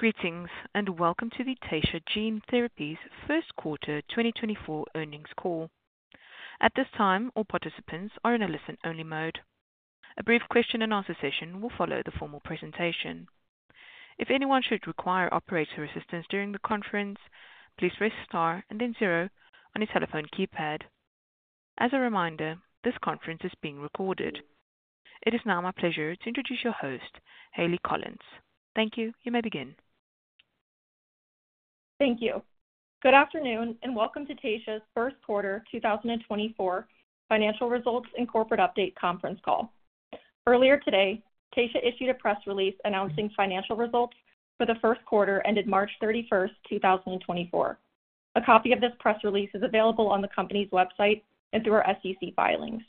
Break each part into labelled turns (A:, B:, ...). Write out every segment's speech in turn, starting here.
A: Greetings and welcome to the Taysha Gene Therapies first quarter 2024 earnings call. At this time, all participants are in a listen-only mode. A brief question-and-answer session will follow the formal presentation. If anyone should require operator assistance during the conference, please press star and then zero on your telephone keypad. As a reminder, this conference is being recorded. It is now my pleasure to introduce your host, Hayleigh Collins. Thank you. You may begin.
B: Thank you. Good afternoon and welcome to Taysha's first quarter 2024 financial results and corporate update conference call. Earlier today, Taysha issued a press release announcing financial results for the first quarter ended March 31st, 2024. A copy of this press release is available on the company's website and through our SEC filings.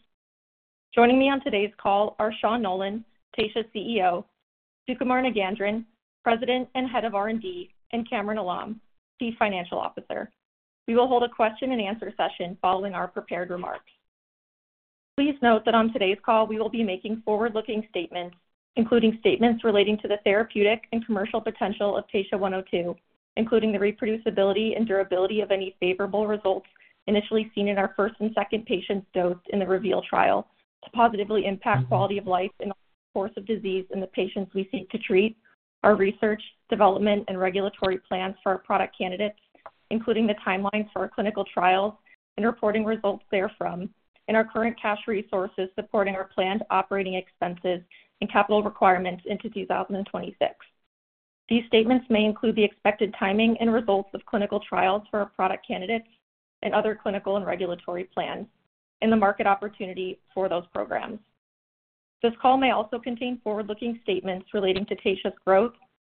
B: Joining me on today's call are Sean Nolan, Taysha's CEO, Sukumar Nagendran, President and Head of R&D, and Kamran Alam, Chief Financial Officer. We will hold a question-and-answer session following our prepared remarks. Please note that on today's call we will be making forward-looking statements, including statements relating to the therapeutic and commercial potential of TSHA-102, including the reproducibility and durability of any favorable results initially seen in our first and second patients dosed in the REVEAL trial to positively impact quality of life and course of disease in the patients we seek to treat, our research, development, and regulatory plans for our product candidates, including the timelines for our clinical trials and reporting results therefrom, and our current cash resources supporting our planned operating expenses and capital requirements into 2026. These statements may include the expected timing and results of clinical trials for our product candidates and other clinical and regulatory plans, and the market opportunity for those programs. This call may also contain forward-looking statements relating to Taysha's growth,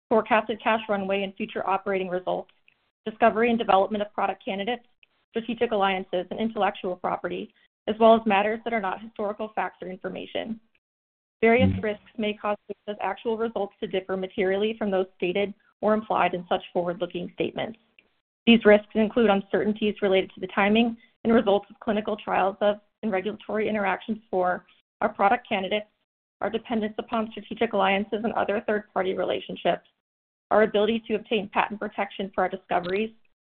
B: forecasted cash runway and future operating results, discovery and development of product candidates, strategic alliances, and intellectual property, as well as matters that are not historical facts or information. Various risks may cause Taysha's actual results to differ materially from those stated or implied in such forward-looking statements. These risks include uncertainties related to the timing and results of clinical trials of and regulatory interactions for our product candidates, our dependence upon strategic alliances and other third-party relationships, our ability to obtain patent protection for our discoveries,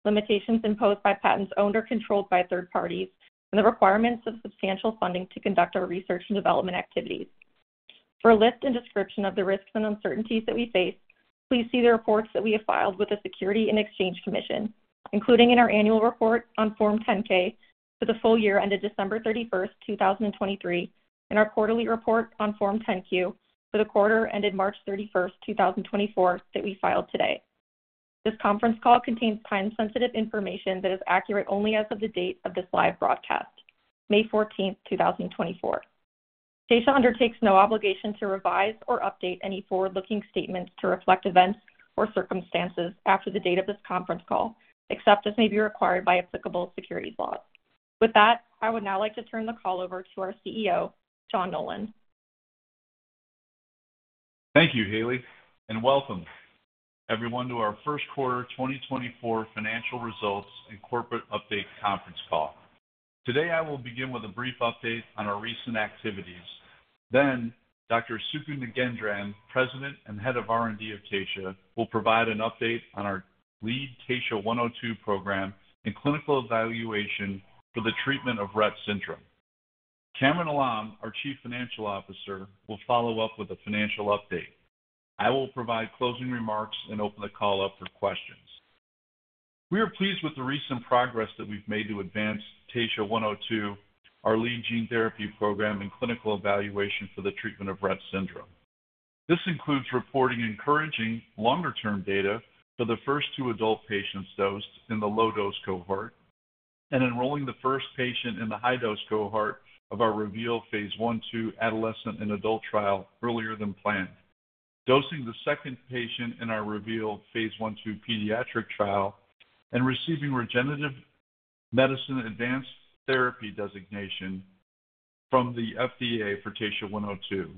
B: limitations imposed by patents owned or controlled by third parties, and the requirements of substantial funding to conduct our research and development activities. For a list and description of the risks and uncertainties that we face, please see the reports that we have filed with the Securities and Exchange Commission, including in our annual report on Form 10-K for the full year ended December 31st, 2023, and our quarterly report on Form 10-Q for the quarter ended March 31st, 2024, that we filed today. This conference call contains time-sensitive information that is accurate only as of the date of this live broadcast, May 14th, 2024. Taysha undertakes no obligation to revise or update any forward-looking statements to reflect events or circumstances after the date of this conference call, except as may be required by applicable securities laws. With that, I would now like to turn the call over to our CEO, Sean Nolan.
C: Thank you, Hayleigh, and welcome everyone to our first quarter 2024 financial results and corporate update conference call. Today I will begin with a brief update on our recent activities. Then Dr. Sukumar Nagendran, President and Head of R&D of Taysha will provide an update on our lead TSHA-102 program and clinical evaluation for the treatment of Rett syndrome. Kamran Alam, our Chief Financial Officer, will follow up with a financial update. I will provide closing remarks and open the call up for questions. We are pleased with the recent progress that we've made to advance TSHA-102, our lead gene therapy program, and clinical evaluation for the treatment of Rett syndrome. This includes reporting encouraging longer-term data for the first two adult patients dosed in the low-dose cohort and enrolling the first patient in the high-dose cohort of our REVEAL phase I/II adolescent and adult trial earlier than planned, dosing the second patient in our REVEAL phase I/II pediatric trial, and receiving Regenerative Medicine Advanced Therapy designation from the FDA for TSHA-102.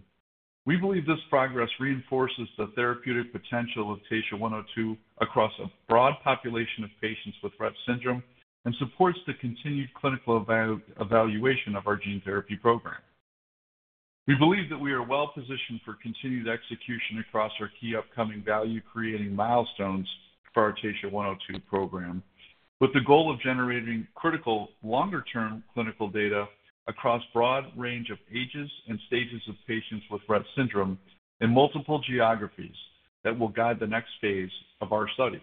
C: We believe this progress reinforces the therapeutic potential of TSHA-102 across a broad population of patients with Rett syndrome and supports the continued clinical evaluation of our gene therapy program. We believe that we are well-positioned for continued execution across our key upcoming value-creating milestones for our TSHA-102 program, with the goal of generating critical longer-term clinical data across a broad range of ages and stages of patients with Rett syndrome in multiple geographies that will guide the next phase of our studies.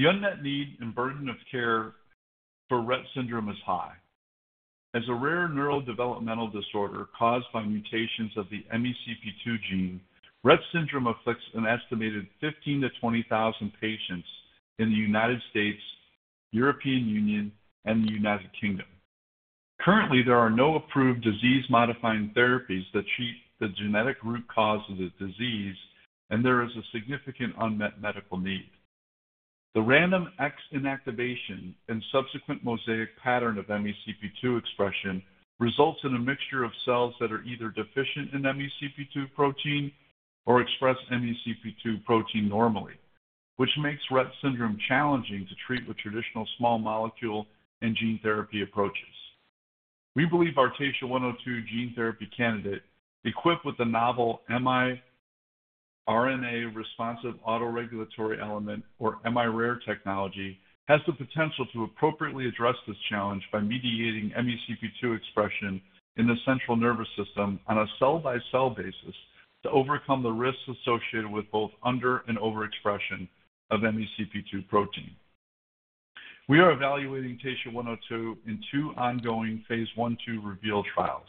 C: The unmet need and burden of care for Rett syndrome is high. As a rare neurodevelopmental disorder caused by mutations of the MECP2 gene, Rett syndrome afflicts an estimated 15,000-20,000 patients in the United States, European Union, and the United Kingdom. Currently, there are no approved disease-modifying therapies that treat the genetic root cause of the disease, and there is a significant unmet medical need. The random X inactivation and subsequent mosaic pattern of MECP2 expression results in a mixture of cells that are either deficient in MECP2 protein or express MECP2 protein normally, which makes Rett syndrome challenging to treat with traditional small molecule and gene therapy approaches. We believe our TSHA-102 gene therapy candidate, equipped with the novel miRNA responsive autoregulatory element or miRARE technology, has the potential to appropriately address this challenge by mediating MECP2 expression in the central nervous system on a cell-by-cell basis to overcome the risks associated with both under- and overexpression of MECP2 protein. We are evaluating TSHA-102 in two ongoing phase I/II REVEAL trials: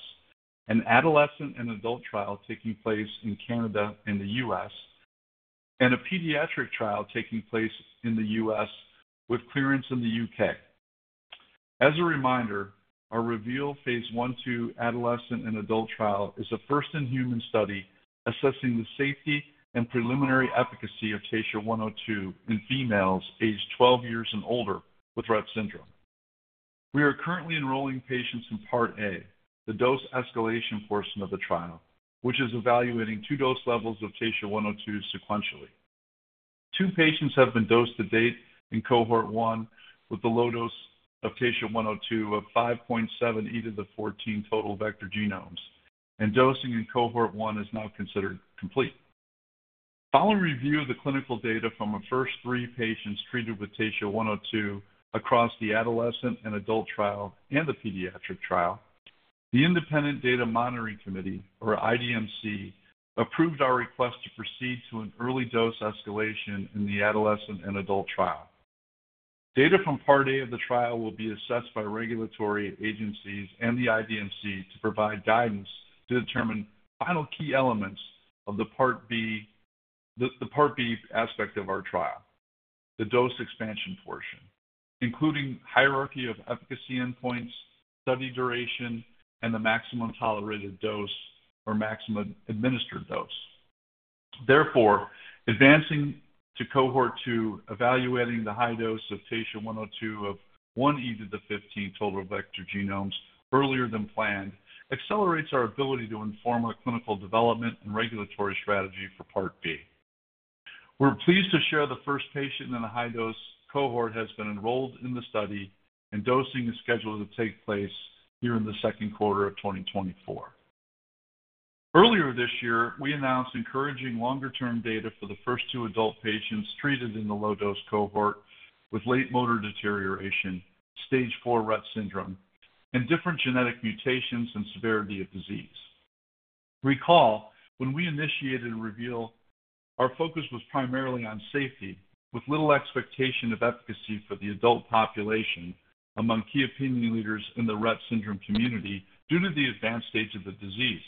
C: an adolescent and adult trial taking place in Canada and the U.S., and a pediatric trial taking place in the U.S. with clearance in the U.K. As a reminder, our REVEAL phase I/II adolescent and adult trial is a first-in-human study assessing the safety and preliminary efficacy of TSHA-102 in females aged 12 years and older with Rett syndrome. We are currently enrolling patients in Part A, the dose escalation portion of the trial, which is evaluating 2 dose levels of TSHA-102 sequentially. Two patients have been dosed to date in cohort 1 with the low dose of TSHA-102 of 5.7 × 10^14 total vector genomes, and dosing in cohort 1 is now considered complete. Following review of the clinical data from the first three patients treated with TSHA-102 across the adolescent and adult trial and the pediatric trial, the Independent Data Monitoring Committee, or IDMC, approved our request to proceed to an early dose escalation in the adolescent and adult trial. Data from Part A of the trial will be assessed by regulatory agencies and the IDMC to provide guidance to determine final key elements of the Part B aspect of our trial, the dose expansion portion, including hierarchy of efficacy endpoints, study duration, and the maximum tolerated dose or maximum administered dose. Therefore, advancing to cohort 2 evaluating the high dose of TSHA-102 of 1 x 10^15 total vector genomes earlier than planned accelerates our ability to inform our clinical development and regulatory strategy for Part B. We're pleased to share the first patient in the high-dose cohort has been enrolled in the study, and dosing is scheduled to take place here in the second quarter of 2024. Earlier this year, we announced encouraging longer-term data for the first two adult patients treated in the low-dose cohort with late motor deterioration, stage IV Rett syndrome, and different genetic mutations and severity of disease. Recall, when we initiated REVEAL, our focus was primarily on safety, with little expectation of efficacy for the adult population among key opinion leaders in the Rett syndrome community due to the advanced stage of the disease.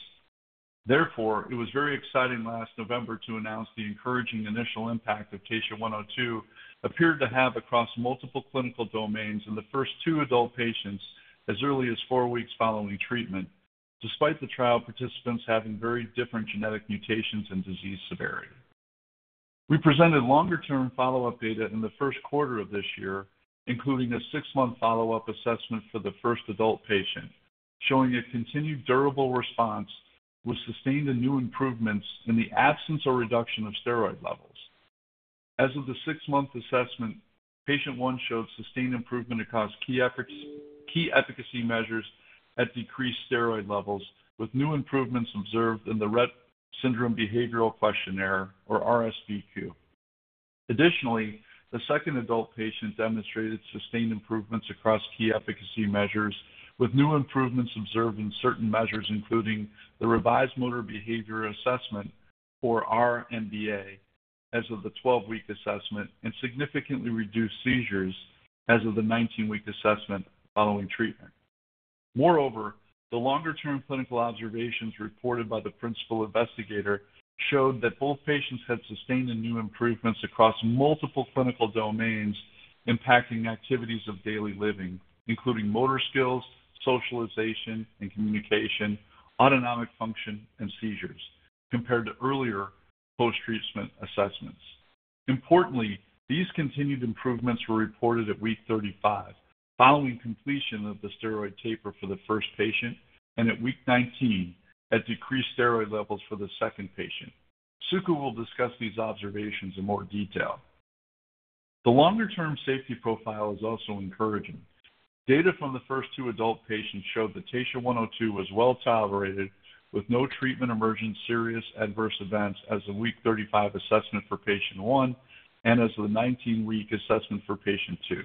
C: Therefore, it was very exciting last November to announce the encouraging initial impact of TSHA-102 appeared to have across multiple clinical domains in the first two adult patients as early as four weeks following treatment, despite the trial participants having very different genetic mutations and disease severity. We presented longer-term follow-up data in the first quarter of this year, including a six month follow-up assessment for the first adult patient, showing a continued durable response with sustained and new improvements in the absence or reduction of steroid levels. As of the 6-month assessment, patient 1 showed sustained improvement across key efficacy measures at decreased steroid levels, with new improvements observed in the Rett Syndrome Behavioral Questionnaire, or RSBQ. Additionally, the second adult patient demonstrated sustained improvements across key efficacy measures, with new improvements observed in certain measures, including the Revised Motor Behavior Assessment, or R-MBA, as of the 12-week assessment, and significantly reduced seizures as of the 19-week assessment following treatment. Moreover, the longer-term clinical observations reported by the principal investigator showed that both patients had sustained and new improvements across multiple clinical domains impacting activities of daily living, including motor skills, socialization and communication, autonomic function, and seizures, compared to earlier post-treatment assessments. Importantly, these continued improvements were reported at week 35 following completion of the steroid taper for the first patient, and at week 19 at decreased steroid levels for the second patient. Sukumar will discuss these observations in more detail. The longer-term safety profile is also encouraging. Data from the first two adult patients showed that TSHA-102 was well-tolerated with no treatment emergent serious adverse events as of week 35 assessment for patient 1 and as of the 19-week assessment for patient 2.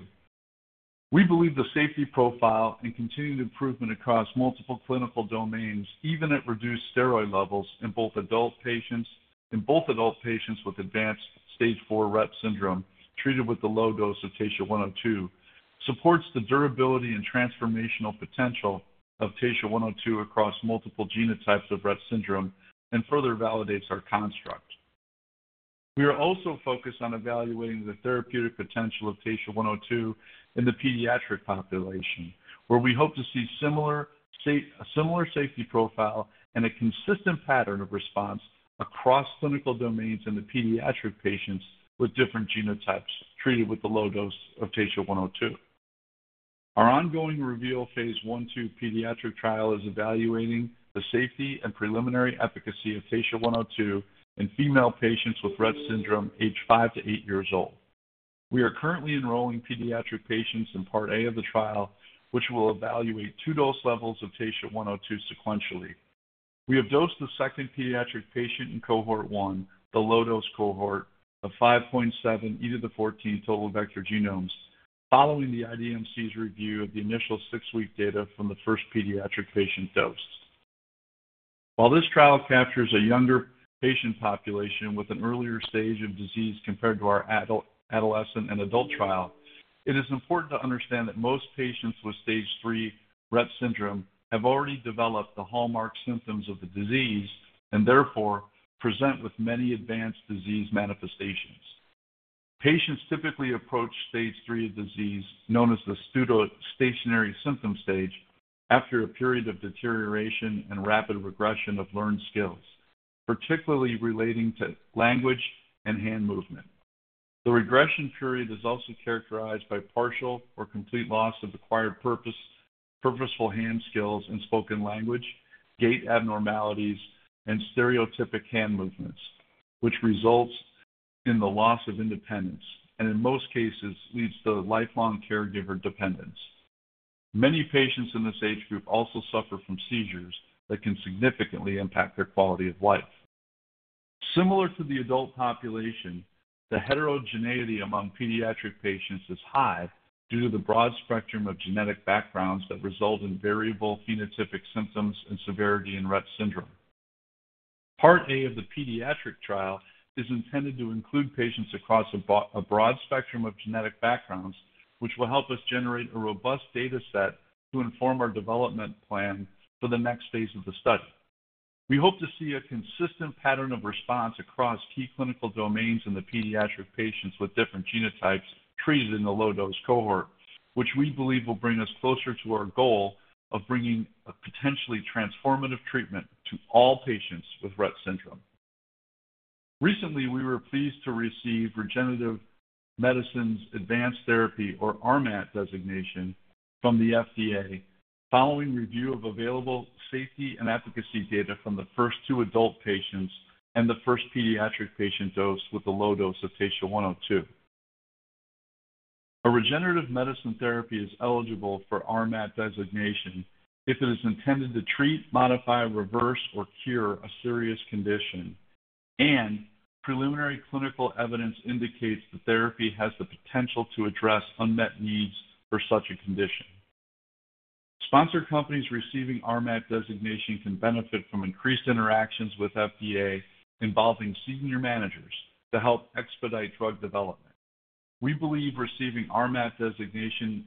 C: We believe the safety profile and continued improvement across multiple clinical domains, even at reduced steroid levels in both adult patients with advanced stage IV Rett syndrome treated with the low dose of TSHA-102, supports the durability and transformational potential of TSHA-102 across multiple genotypes of Rett syndrome and further validates our construct. We are also focused on evaluating the therapeutic potential of TSHA-102 in the pediatric population, where we hope to see a similar safety profile and a consistent pattern of response across clinical domains in the pediatric patients with different genotypes treated with the low dose of TSHA-102. Our ongoing REVEAL phase I/II pediatric trial is evaluating the safety and preliminary efficacy of TSHA-102 in female patients with Rett syndrome aged five to eight years old. We are currently enrolling pediatric patients in Part A of the trial, which will evaluate two dose levels of TSHA-102 sequentially. We have dosed the second pediatric patient in cohort one, the low-dose cohort, of 5.7 × 10^14 total vector genomes, following the IDMC's review of the initial six-week data from the first pediatric patient dosed. While this trial captures a younger patient population with an earlier stage of disease compared to our adolescent and adult trial, it is important to understand that most patients with stage III Rett syndrome have already developed the hallmark symptoms of the disease and, therefore, present with many advanced disease manifestations. Patients typically approach stage III of disease, known as the pseudo-stationary symptom stage, after a period of deterioration and rapid regression of learned skills, particularly relating to language and hand movement. The regression period is also characterized by partial or complete loss of acquired purposeful hand skills in spoken language, gait abnormalities, and stereotypic hand movements, which results in the loss of independence and, in most cases, leads to lifelong caregiver dependence. Many patients in this age group also suffer from seizures that can significantly impact their quality of life. Similar to the adult population, the heterogeneity among pediatric patients is high due to the broad spectrum of genetic backgrounds that result in variable phenotypic symptoms and severity in Rett syndrome. Part A of the pediatric trial is intended to include patients across a broad spectrum of genetic backgrounds, which will help us generate a robust data set to inform our development plan for the next phase of the study. We hope to see a consistent pattern of response across key clinical domains in the pediatric patients with different genotypes treated in the low-dose cohort, which we believe will bring us closer to our goal of bringing a potentially transformative treatment to all patients with Rett syndrome. Recently, we were pleased to receive Regenerative Medicine Advanced Therapy, or RMAT, designation from the FDA following review of available safety and efficacy data from the first two adult patients and the first pediatric patient dosed with the low dose of TSHA-102. A regenerative medicine therapy is eligible for RMAT designation if it is intended to treat, modify, reverse, or cure a serious condition, and preliminary clinical evidence indicates the therapy has the potential to address unmet needs for such a condition. Sponsor companies receiving RMAT designation can benefit from increased interactions with FDA involving senior managers to help expedite drug development. We believe receiving RMAT designation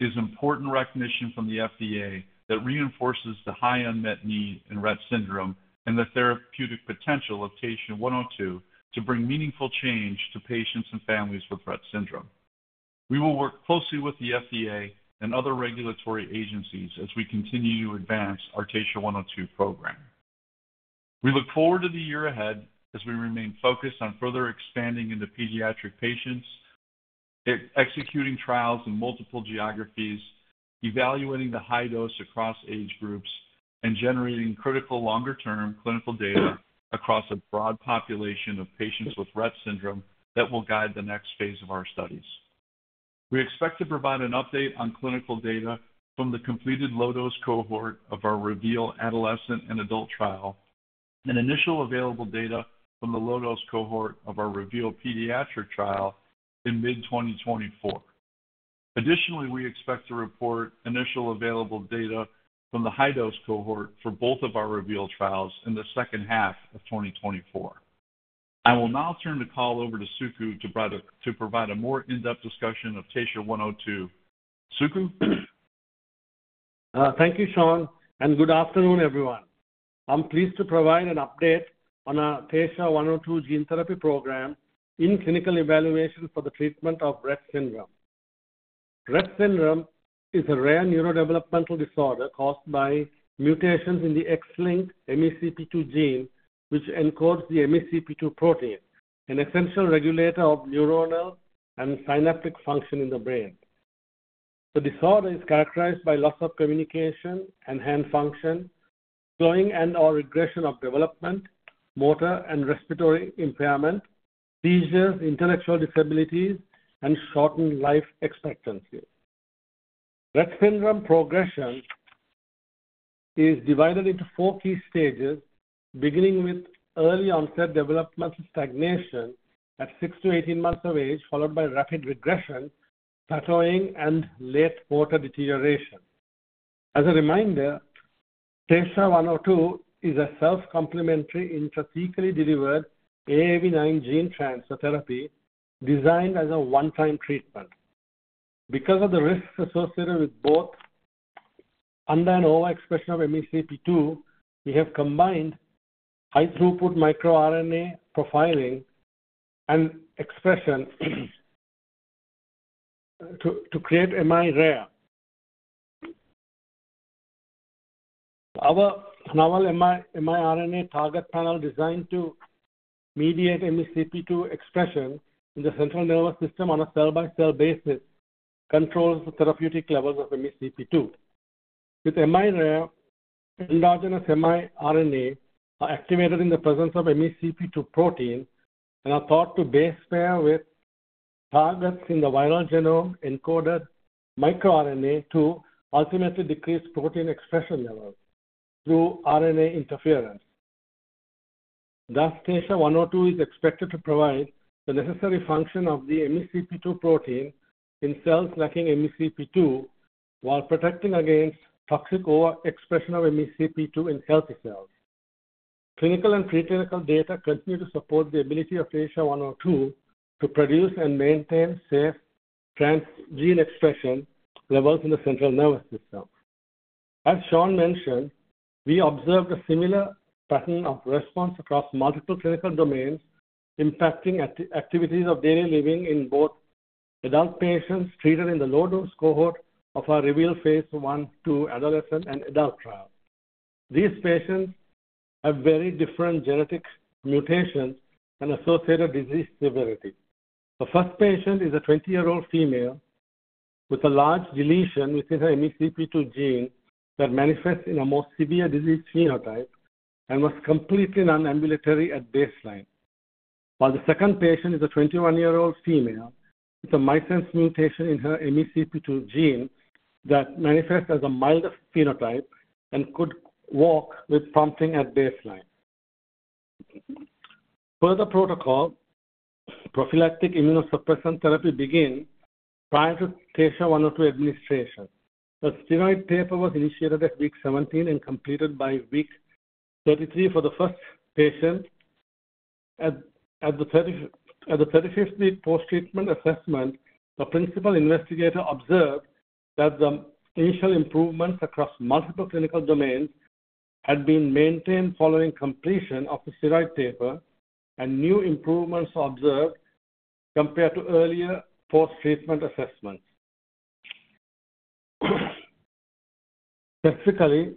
C: is important recognition from the FDA that reinforces the high unmet need in Rett syndrome and the therapeutic potential of TSHA-102 to bring meaningful change to patients and families with Rett syndrome. We will work closely with the FDA and other regulatory agencies as we continue to advance our TSHA-102 program. We look forward to the year ahead as we remain focused on further expanding into pediatric patients, executing trials in multiple geographies, evaluating the high dose across age groups, and generating critical longer-term clinical data across a broad population of patients with Rett syndrome that will guide the next phase of our studies. We expect to provide an update on clinical data from the completed low-dose cohort of our REVEAL adolescent and adult trial and initial available data from the low-dose cohort of our REVEAL pediatric trial in mid-2024. Additionally, we expect to report initial available data from the high-dose cohort for both of our REVEAL trials in the second half of 2024. I will now turn the call over to Sukumar to provide a more in-depth discussion of TSHA-102. Sukumar?
D: Thank you, Sean, and good afternoon, everyone. I'm pleased to provide an update on our TSHA-102 gene therapy program in clinical evaluation for the treatment of Rett syndrome. Rett syndrome is a rare neurodevelopmental disorder caused by mutations in the X-linked MECP2 gene, which encodes the MECP2 protein, an essential regulator of neuronal and synaptic function in the brain. The disorder is characterized by loss of communication and hand function, slowing and/or regression of development, motor and respiratory impairment, seizures, intellectual disabilities, and shortened life expectancy. Rett syndrome progression is divided into four key stages, beginning with early-onset developmental stagnation at 6-18 months of age, followed by rapid regression, plateauing, and late motor deterioration. As a reminder, TSHA-102 is a self-complementary intrathecally delivered AAV9 gene transfer therapy designed as a one-time treatment. Because of the risks associated with both undue and overexpression of MECP2, we have combined high-throughput microRNA profiling and expression to create miRARE. Our novel miRNA target panel designed to mediate MECP2 expression in the central nervous system on a cell-by-cell basis controls the therapeutic levels of MECP2. With miRARE, endogenous miRNA are activated in the presence of MECP2 protein and are thought to base pair with targets in the viral genome encoded microRNA to ultimately decrease protein expression levels through RNA interference. Thus, TSHA-102 is expected to provide the necessary function of the MECP2 protein in cells lacking MECP2 while protecting against toxic overexpression of MECP2 in healthy cells. Clinical and preclinical data continue to support the ability of TSHA-102 to produce and maintain safe transgene expression levels in the central nervous system. As Sean mentioned, we observed a similar pattern of response across multiple clinical domains impacting activities of daily living in both adult patients treated in the low-dose cohort of our REVEAL phase I/II adolescent and adult trial. These patients have very different genetic mutations and associated disease severity. The first patient is a 20-year-old female with a large deletion within her MECP2 gene that manifests in a more severe disease phenotype and was completely nonambulatory at baseline, while the second patient is a 21-year-old female with a missense mutation in her MECP2 gene that manifests as a milder phenotype and could walk with prompting at baseline. Per the protocol, prophylactic immunosuppressant therapy began prior to TSHA-102 administration. A steroid taper was initiated at week 17 and completed by week 33 for the first patient. At the 35th week post-treatment assessment, the principal investigator observed that the initial improvements across multiple clinical domains had been maintained following completion of the steroid taper and new improvements observed compared to earlier post-treatment assessments. Specifically,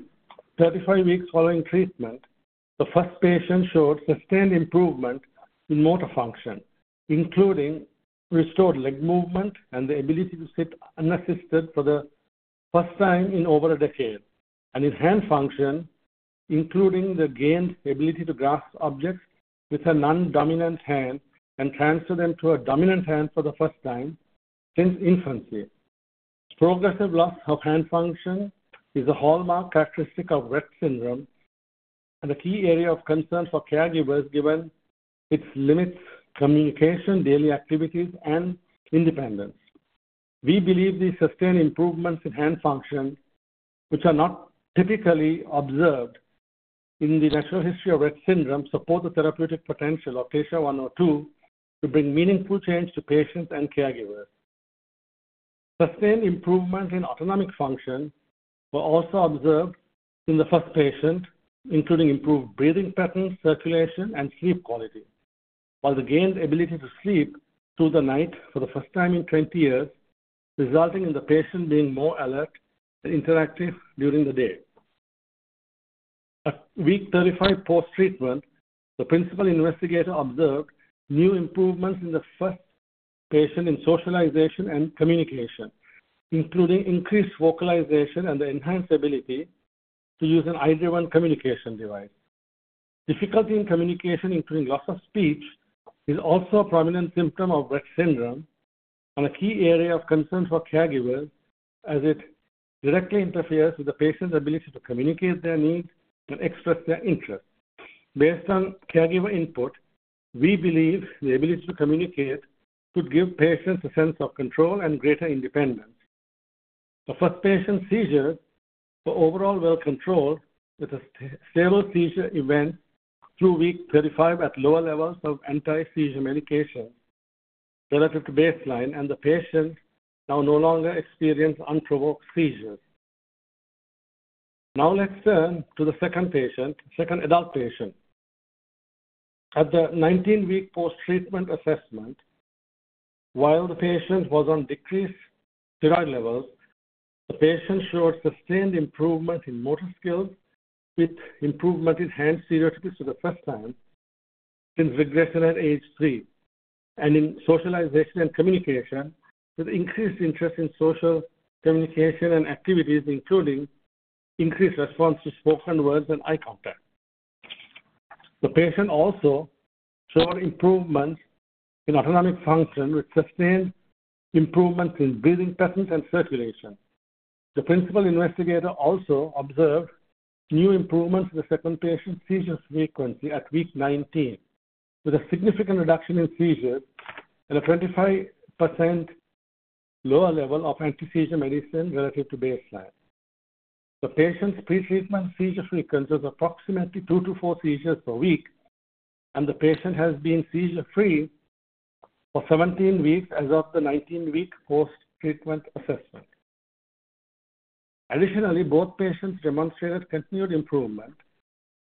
D: 35 weeks following treatment, the first patient showed sustained improvement in motor function, including restored leg movement and the ability to sit unassisted for the first time in over a decade, and in hand function, including the gained ability to grasp objects with her non-dominant hand and transfer them to her dominant hand for the first time since infancy. Progressive loss of hand function is a hallmark characteristic of Rett syndrome and a key area of concern for caregivers given its limits: communication, daily activities, and independence. We believe these sustained improvements in hand function, which are not typically observed in the natural history of Rett syndrome, support the therapeutic potential of TSHA-102 to bring meaningful change to patients and caregivers. Sustained improvements in autonomic function were also observed in the first patient, including improved breathing pattern, circulation, and sleep quality, while the gained ability to sleep through the night for the first time in 20 years resulted in the patient being more alert and interactive during the day. At week 35 post-treatment, the principal investigator observed new improvements in the first patient in socialization and communication, including increased vocalization and the enhanced ability to use an eye-driven communication device. Difficulty in communication, including loss of speech, is also a prominent symptom of Rett syndrome and a key area of concern for caregivers as it directly interferes with the patient's ability to communicate their needs and express their interests. Based on caregiver input, we believe the ability to communicate could give patients a sense of control and greater independence. The first patient's seizures were overall well controlled with a stable seizure event through week 35 at lower levels of antiseizure medication relative to baseline, and the patient now no longer experiences unprovoked seizures. Now, let us turn to the second patient, second adult patient. At the 19-week post-treatment assessment, while the patient was on decreased steroid levels, the patient showed sustained improvement in motor skills with improvement in hand stereotypies for the first time since regression at age 3 and in socialization and communication with increased interest in social communication and activities, including increased response to spoken words and eye contact. The patient also showed improvements in autonomic function with sustained improvements in breathing patterns and circulation. The principal investigator also observed new improvements in the second patient's seizure frequency at week 19 with a significant reduction in seizures and a 25% lower level of antiseizure medicine relative to baseline. The patient's pretreatment seizure frequency was approximately 2-4 seizures per week, and the patient has been seizure-free for 17 weeks as of the 19-week post-treatment assessment. Additionally, both patients demonstrated continued improvement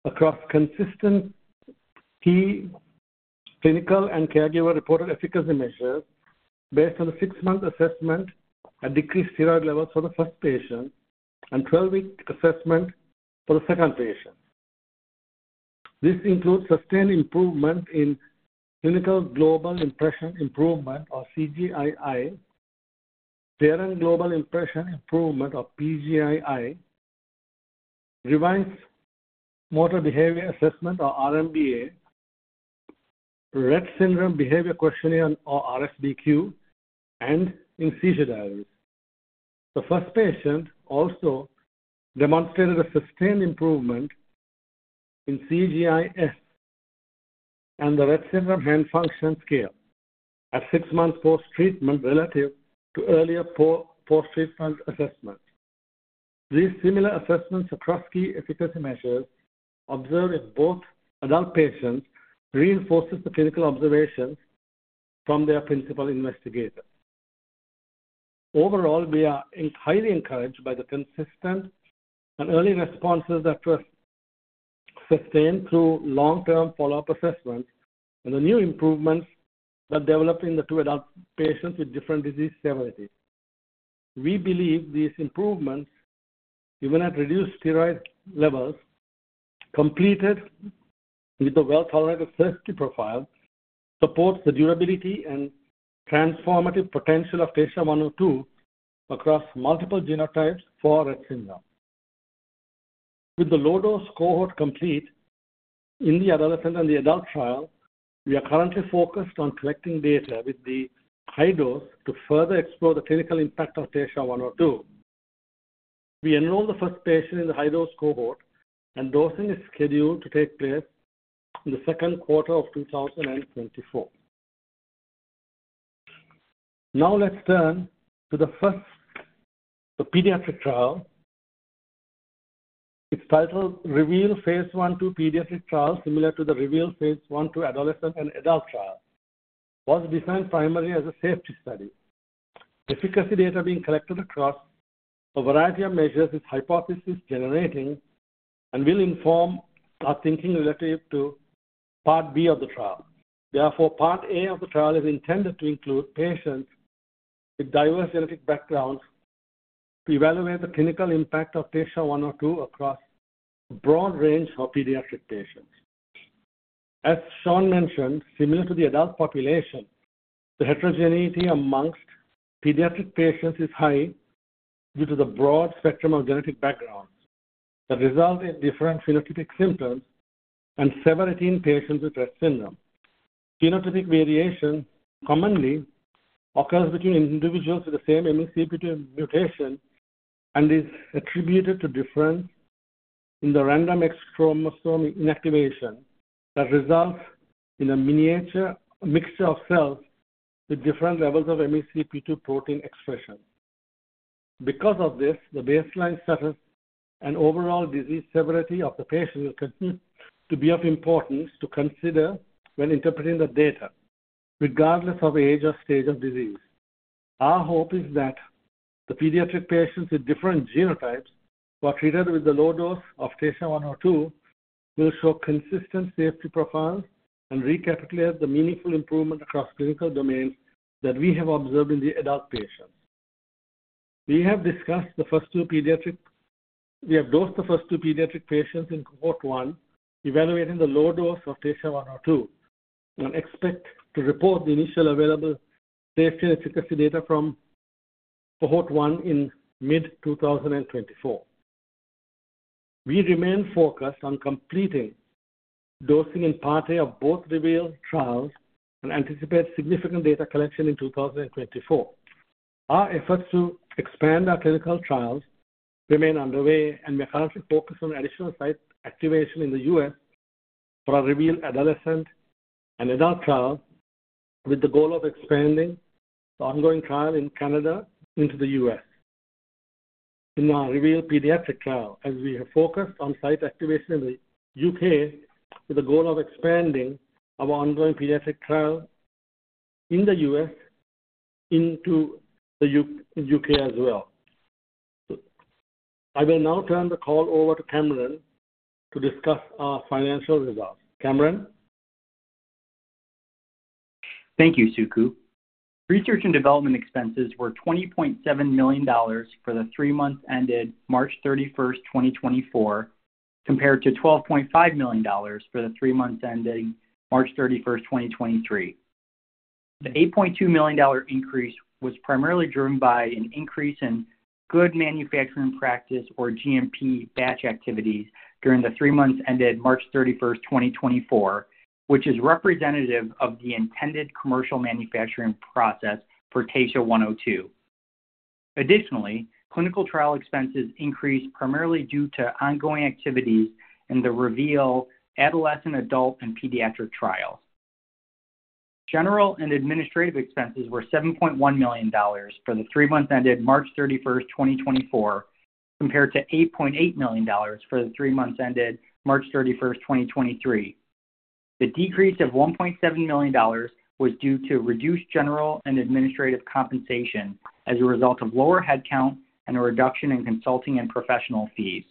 D: across consistent key clinical and caregiver-reported efficacy measures based on the 6-month assessment at decreased steroid levels for the first patient and 12-week assessment for the second patient. This includes sustained improvement in Clinical Global Impression Improvement, or CGI-I, Parent Global Impression – Improvement, or PGI-I, Revised Motor Behavior Assessment, or R-MBA, Rett Syndrome Behavior Questionnaire, or RSBQ, and in seizure diaries. The first patient also demonstrated a sustained improvement in CGI-S and the Rett Syndrome Hand Function Scale at 6 months post-treatment relative to earlier post-treatment assessments. These similar assessments across key efficacy measures observed in both adult patients reinforce the clinical observations from their principal investigator. Overall, we are highly encouraged by the consistent and early responses that were sustained through long-term follow-up assessments and the new improvements that developed in the two adult patients with different disease severities. We believe these improvements, even at reduced steroid levels, coupled with a well-tolerated safety profile, support the durability and transformative potential of TSHA-102 across multiple genotypes for Rett syndrome. With the low-dose cohort complete in the adolescent and adult trial, we are currently focused on collecting data with the high dose to further explore the clinical impact of TSHA-102. We enrolled the first patient in the high-dose cohort, and dosing is scheduled to take place in the second quarter of 2024. Now, let us turn to the pediatric trial. Its title, REVEAL phase I/II Pediatric Trial, similar to the REVEAL phase I/II Adolescent and Adult Trial, was designed primarily as a safety study. Efficacy data being collected across a variety of measures is hypothesis-generating and will inform our thinking relative to Part B of the trial. Therefore, Part A of the trial is intended to include patients with diverse genetic backgrounds to evaluate the clinical impact of TSHA-102 across a broad range of pediatric patients. As Sean mentioned, similar to the adult population, the heterogeneity among pediatric patients is high due to the broad spectrum of genetic backgrounds that result in different phenotypic symptoms in 17 patients with Rett syndrome. Phenotypic variation commonly occurs between individuals with the same MECP2 mutation and is attributed to difference in the random X chromosome inactivation that results in a miniature mixture of cells with different levels of MECP2 protein expression. Because of this, the baseline status and overall disease severity of the patient will continue to be of importance to consider when interpreting the data regardless of age or stage of disease. Our hope is that the pediatric patients with different genotypes who are treated with the low dose of TSHA-102 will show consistent safety profiles and recapitulate the meaningful improvement across clinical domains that we have observed in the adult patients. We have discussed the first two pediatric. We have dosed the first two pediatric patients in cohort 1 evaluating the low dose of TSHA-102 and expect to report the initial available safety and efficacy data from cohort 1 in mid 2024. We remain focused on completing dosing in parts of both REVEAL trials and anticipate significant data collection in 2024. Our efforts to expand our clinical trials remain underway, and we are currently focused on additional site activation in the U.S. for our REVEAL adolescent and adult trial with the goal of expanding the ongoing trial in Canada into the U.S. in our REVEAL pediatric trial as we have focused on site activation in the U.K. with the goal of expanding our ongoing pediatric trial in the U.S. into the U.K. as well. I will now turn the call over to Kamran to discuss our financial results. Kamran?
E: Thank you, Sukumar. Research and development expenses were $20.7 million for the three months ended March 31, 2024, compared to $12.5 million for the three months ending March 31, 2023. The $8.2 million increase was primarily driven by an increase in good manufacturing practice, or GMP, batch activities during the three months ended March 31, 2024, which is representative of the intended commercial manufacturing process for TSHA-102. Additionally, clinical trial expenses increased primarily due to ongoing activities in the REVEAL adolescent, adult, and pediatric trials. General and administrative expenses were $7.1 million for the three months ended March 31, 2024, compared to $8.8 million for the three months ended March 31, 2023. The decrease of $1.7 million was due to reduced general and administrative compensation as a result of lower headcount and a reduction in consulting and professional fees.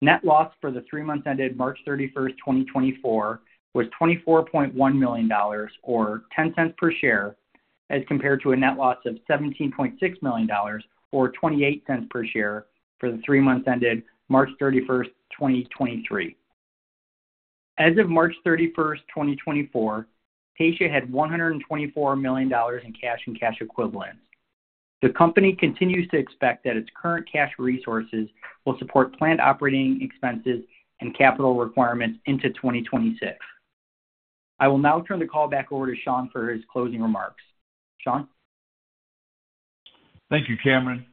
E: Net loss for the three months ended March 31, 2024, was $24.1 million, or $0.10 per share, as compared to a net loss of $17.6 million, or $0.28 per share, for the three months ended March 31, 2023. As of March 31, 2024, Taysha had $124 million in cash and cash equivalents. The company continues to expect that its current cash resources will support planned operating expenses and capital requirements into 2026. I will now turn the call back over to Sean for his closing remarks. Sean?
C: Thank you, Kamran.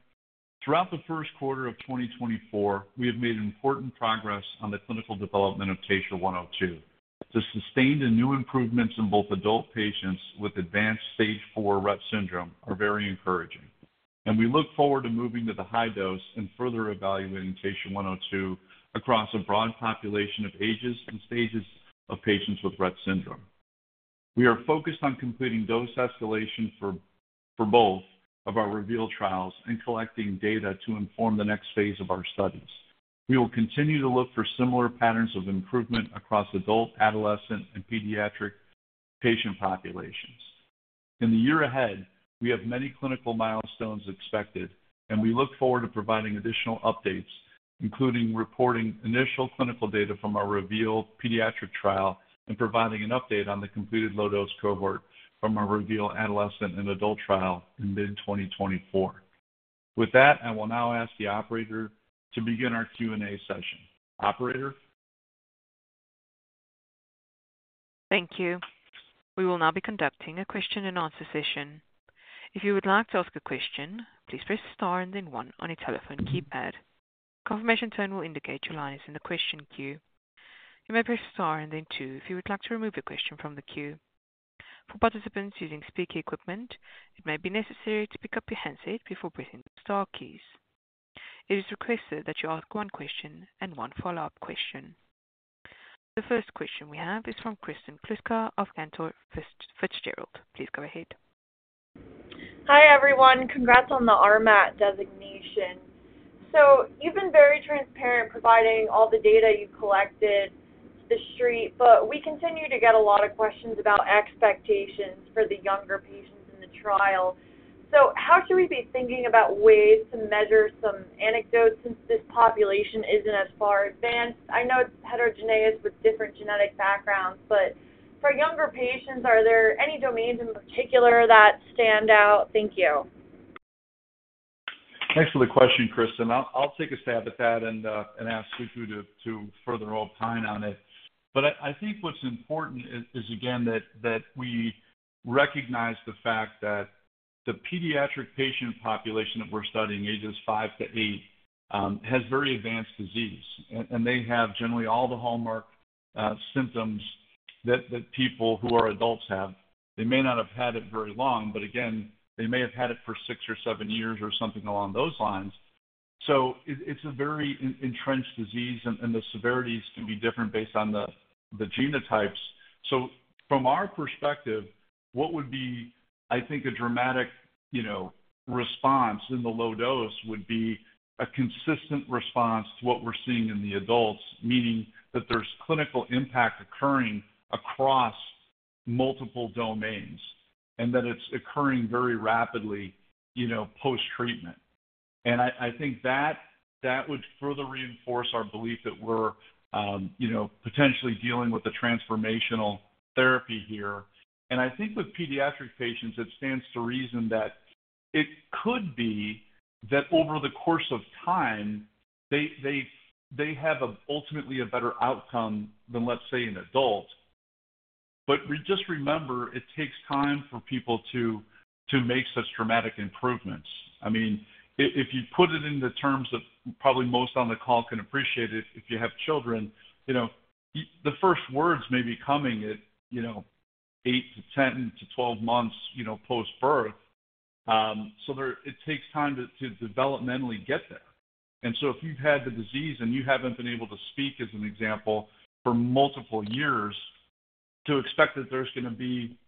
C: Throughout the first quarter of 2024, we have made important progress on the clinical development of TSHA-102. The sustained and new improvements in both adult patients with advanced stage 4 Rett syndrome are very encouraging, and we look forward to moving to the high dose and further evaluating TSHA-102 across a broad population of ages and stages of patients with Rett syndrome. We are focused on completing dose escalation for both of our REVEAL trials and collecting data to inform the next phase of our studies. We will continue to look for similar patterns of improvement across adult, adolescent, and pediatric patient populations. In the year ahead, we have many clinical milestones expected, and we look forward to providing additional updates, including reporting initial clinical data from our REVEAL pediatric trial and providing an update on the completed low-dose cohort from our REVEAL adolescent and adult trial in mid 2024. With that, I will now ask the operator to begin our Q&A session. Operator?
A: Thank you. We will now be conducting a question-and-answer session. If you would like to ask a question, please press star and then one on your telephone keypad. Confirmation tone will indicate your line is in the question queue. You may press star and then two if you would like to remove your question from the queue. For participants using speaker equipment, it may be necessary to pick up your handset before pressing the star keys. It is requested that you ask one question and one follow-up question. The first question we have is from Kristen Kluska of Cantor Fitzgerald. Please go ahead.
F: Hi, everyone. Congrats on the RMAT designation. So you've been very transparent providing all the data you collected to the street, but we continue to get a lot of questions about expectations for the younger patients in the trial. So how should we be thinking about ways to measure some anecdotes since this population isn't as far advanced? I know it's heterogeneous with different genetic backgrounds, but for younger patients, are there any domains in particular that stand out? Thank you.
C: Excellent question, Kristen. I'll take a stab at that and ask Sukumar to further opine on it. But I think what's important is, again, that we recognize the fact that the pediatric patient population that we're studying, ages 5-8, has very advanced disease, and they have generally all the hallmark symptoms that people who are adults have. They may not have had it very long, but again, they may have had it for six or seven years or something along those lines. So it's a very entrenched disease, and the severities can be different based on the genotypes. So from our perspective, what would be, I think, a dramatic response in the low dose would be a consistent response to what we're seeing in the adults, meaning that there's clinical impact occurring across multiple domains and that it's occurring very rapidly post-treatment. And I think that would further reinforce our belief that we're potentially dealing with a transformational therapy here. I think with pediatric patients, it stands to reason that it could be that over the course of time, they have ultimately a better outcome than, let's say, an adult. Just remember, it takes time for people to make such dramatic improvements. I mean, if you put it in the terms that probably most on the call can appreciate it, if you have children, the first words may be coming at eight to 10 to 12 months post-birth. It takes time to developmentally get there. If you've had the disease and you haven't been able to speak, as an example, for multiple years, to expect that there's going to be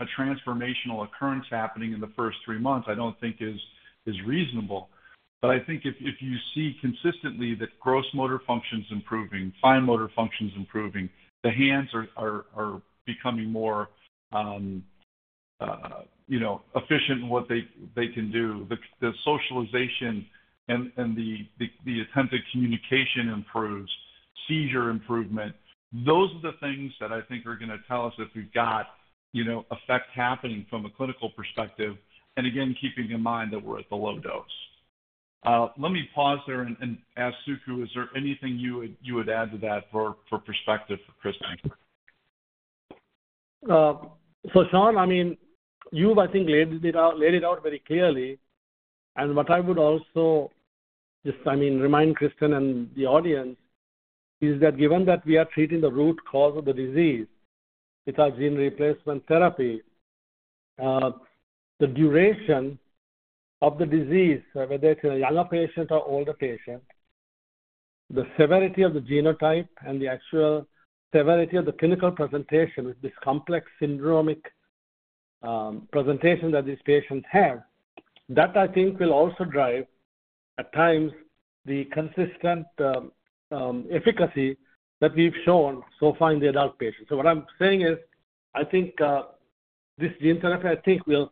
C: a transformational occurrence happening in the first three months, I don't think is reasonable. But I think if you see consistently that gross motor function's improving, fine motor function's improving, the hands are becoming more efficient in what they can do, the socialization and the attempted communication improves, seizure improvement, those are the things that I think are going to tell us if we've got effect happening from a clinical perspective, and again, keeping in mind that we're at the low dose. Let me pause there and ask Sukumar, is there anything you would add to that for perspective for Kristen?
D: So Sean, I mean, you've, I think, laid it out very clearly. What I would also just, I mean, remind Kristen and the audience is that given that we are treating the root cause of the disease with our gene replacement therapy, the duration of the disease, whether it's a younger patient or older patient, the severity of the genotype and the actual severity of the clinical presentation with this complex syndromic presentation that these patients have, that, I think, will also drive, at times, the consistent efficacy that we've shown so far in the adult patients. So what I'm saying is, I think this gene therapy, I think, will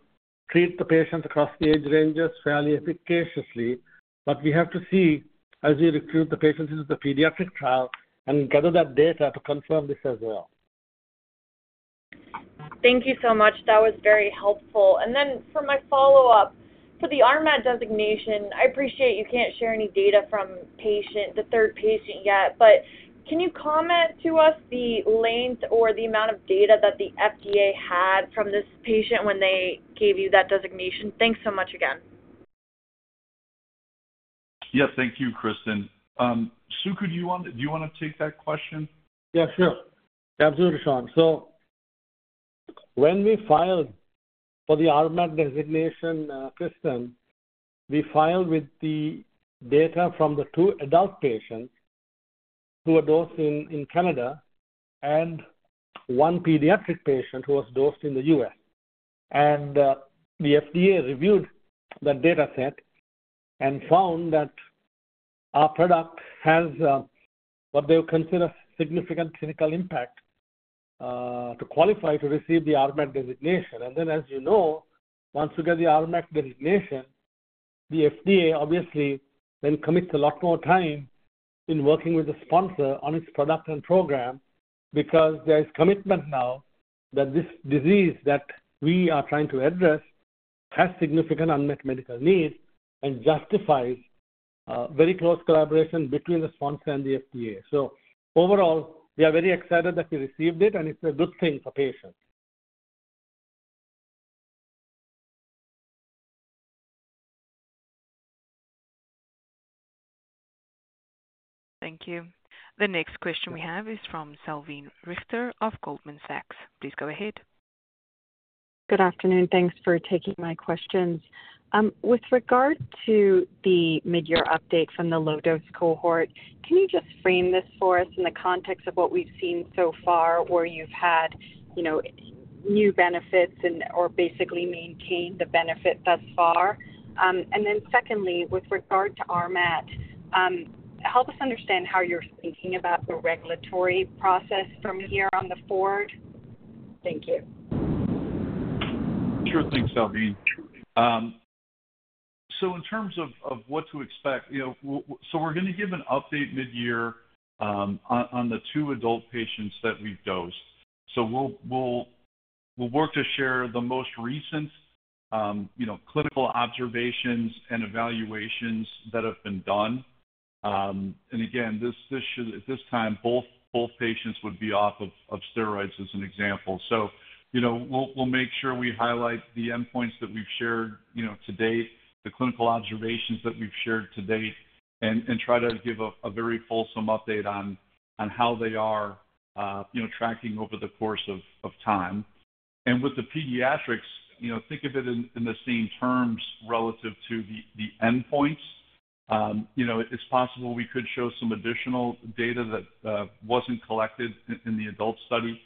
D: treat the patients across the age ranges fairly efficaciously. But we have to see as we recruit the patients into the pediatric trial and gather that data to confirm this as well.
F: Thank you so much. That was very helpful. And then for my follow-up, for the RMAT designation, I appreciate you can't share any data from the third patient yet, but can you comment to us the length or the amount of data that the FDA had from this patient when they gave you that designation? Thanks so much again.
C: Yes. Thank you, Kristen. Sukumar, do you want to take that question?
D: Yeah. Sure. Absolutely, Sean. So when we filed for the RMAT designation, Kristen, we filed with the data from the two adult patients who were dosed in Canada and one pediatric patient who was dosed in the U.S. The FDA reviewed that dataset and found that our product has what they would consider significant clinical impact to qualify to receive the RMAT designation. And then, as you know, once you get the RMAT designation, the FDA obviously then commits a lot more time in working with the sponsor on its product and program because there is commitment now that this disease that we are trying to address has significant unmet medical needs and justifies very close collaboration between the sponsor and the FDA. So overall, we are very excited that we received it, and it's a good thing for patients.
A: Thank you. The next question we have is from Salveen Richter of Goldman Sachs. Please go ahead.
G: Good afternoon. Thanks for taking my questions. With regard to the midyear update from the low-dose cohort, can you just frame this for us in the context of what we've seen so far where you've had new benefits or basically maintained the benefit thus far? Then secondly, with regard to RMAT, help us understand how you're thinking about the regulatory process from here on forward. Thank you.
C: Sure thing, Salveen. So in terms of what to expect, so we're going to give an update midyear on the two adult patients that we've dosed. So we'll work to share the most recent clinical observations and evaluations that have been done. And again, at this time, both patients would be off of steroids, as an example. So we'll make sure we highlight the endpoints that we've shared to date, the clinical observations that we've shared to date, and try to give a very fulsome update on how they are tracking over the course of time. And with the pediatrics, think of it in the same terms relative to the endpoints. It's possible we could show some additional data that wasn't collected in the adult study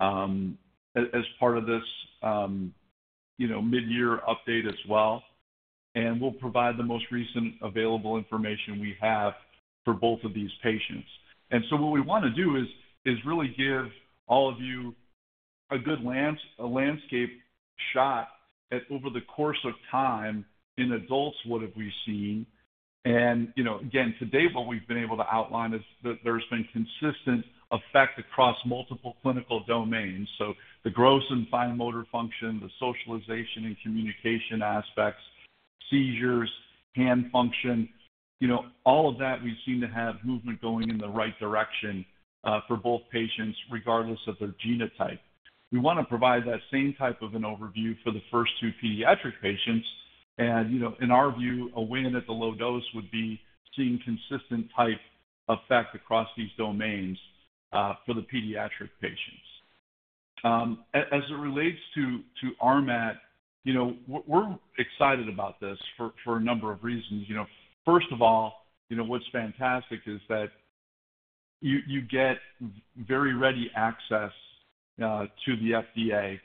C: as part of this midyear update as well. We'll provide the most recent available information we have for both of these patients. So what we want to do is really give all of you a good landscape shot at over the course of time in adults, what have we seen? Again, today, what we've been able to outline is that there's been consistent effect across multiple clinical domains. The gross and fine motor function, the socialization and communication aspects, seizures, hand function, all of that, we've seen to have movement going in the right direction for both patients, regardless of their genotype. We want to provide that same type of an overview for the first two pediatric patients. In our view, a win at the low dose would be seeing consistent type effect across these domains for the pediatric patients. As it relates to RMAT, we're excited about this for a number of reasons. First of all, what's fantastic is that you get very ready access to the FDA,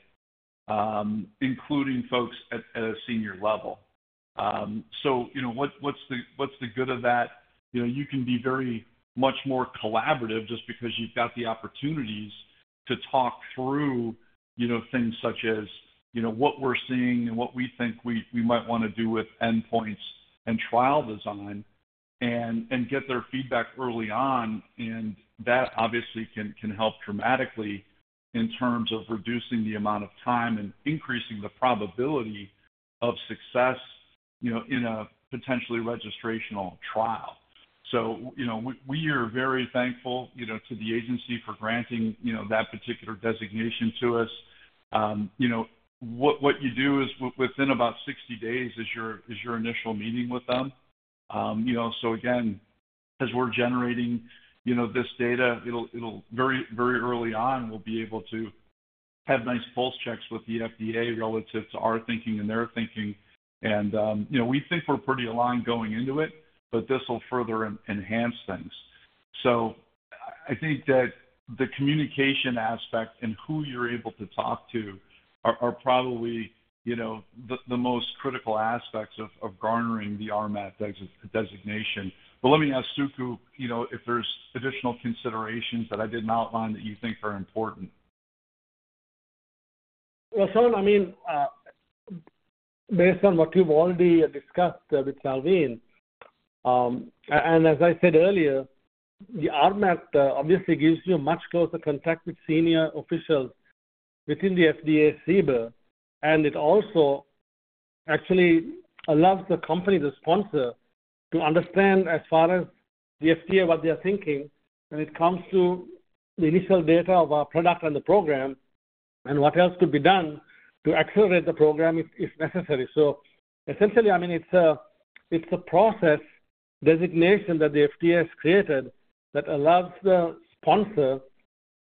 C: including folks at a senior level. So what's the good of that? You can be very much more collaborative just because you've got the opportunities to talk through things such as what we're seeing and what we think we might want to do with endpoints and trial design and get their feedback early on. And that, obviously, can help dramatically in terms of reducing the amount of time and increasing the probability of success in a potentially registrational trial. So we are very thankful to the agency for granting that particular designation to us. What you do is within about 60 days is your initial meeting with them. So again, as we're generating this data, very early on, we'll be able to have nice pulse checks with the FDA relative to our thinking and their thinking. And we think we're pretty aligned going into it, but this will further enhance things. So I think that the communication aspect and who you're able to talk to are probably the most critical aspects of garnering the RMAT designation. But let me ask Sukumar if there's additional considerations that I didn't outline that you think are important.
D: Well, Sean, I mean, based on what you've already discussed with Salveen, and as I said earlier, the RMAT obviously gives you much closer contact with senior officials within the FDA CBER, and it also actually allows the company, the sponsor, to understand as far as the FDA what they are thinking when it comes to the initial data of our product and the program and what else could be done to accelerate the program if necessary. So essentially, I mean, it's a process designation that the FDA has created that allows the sponsor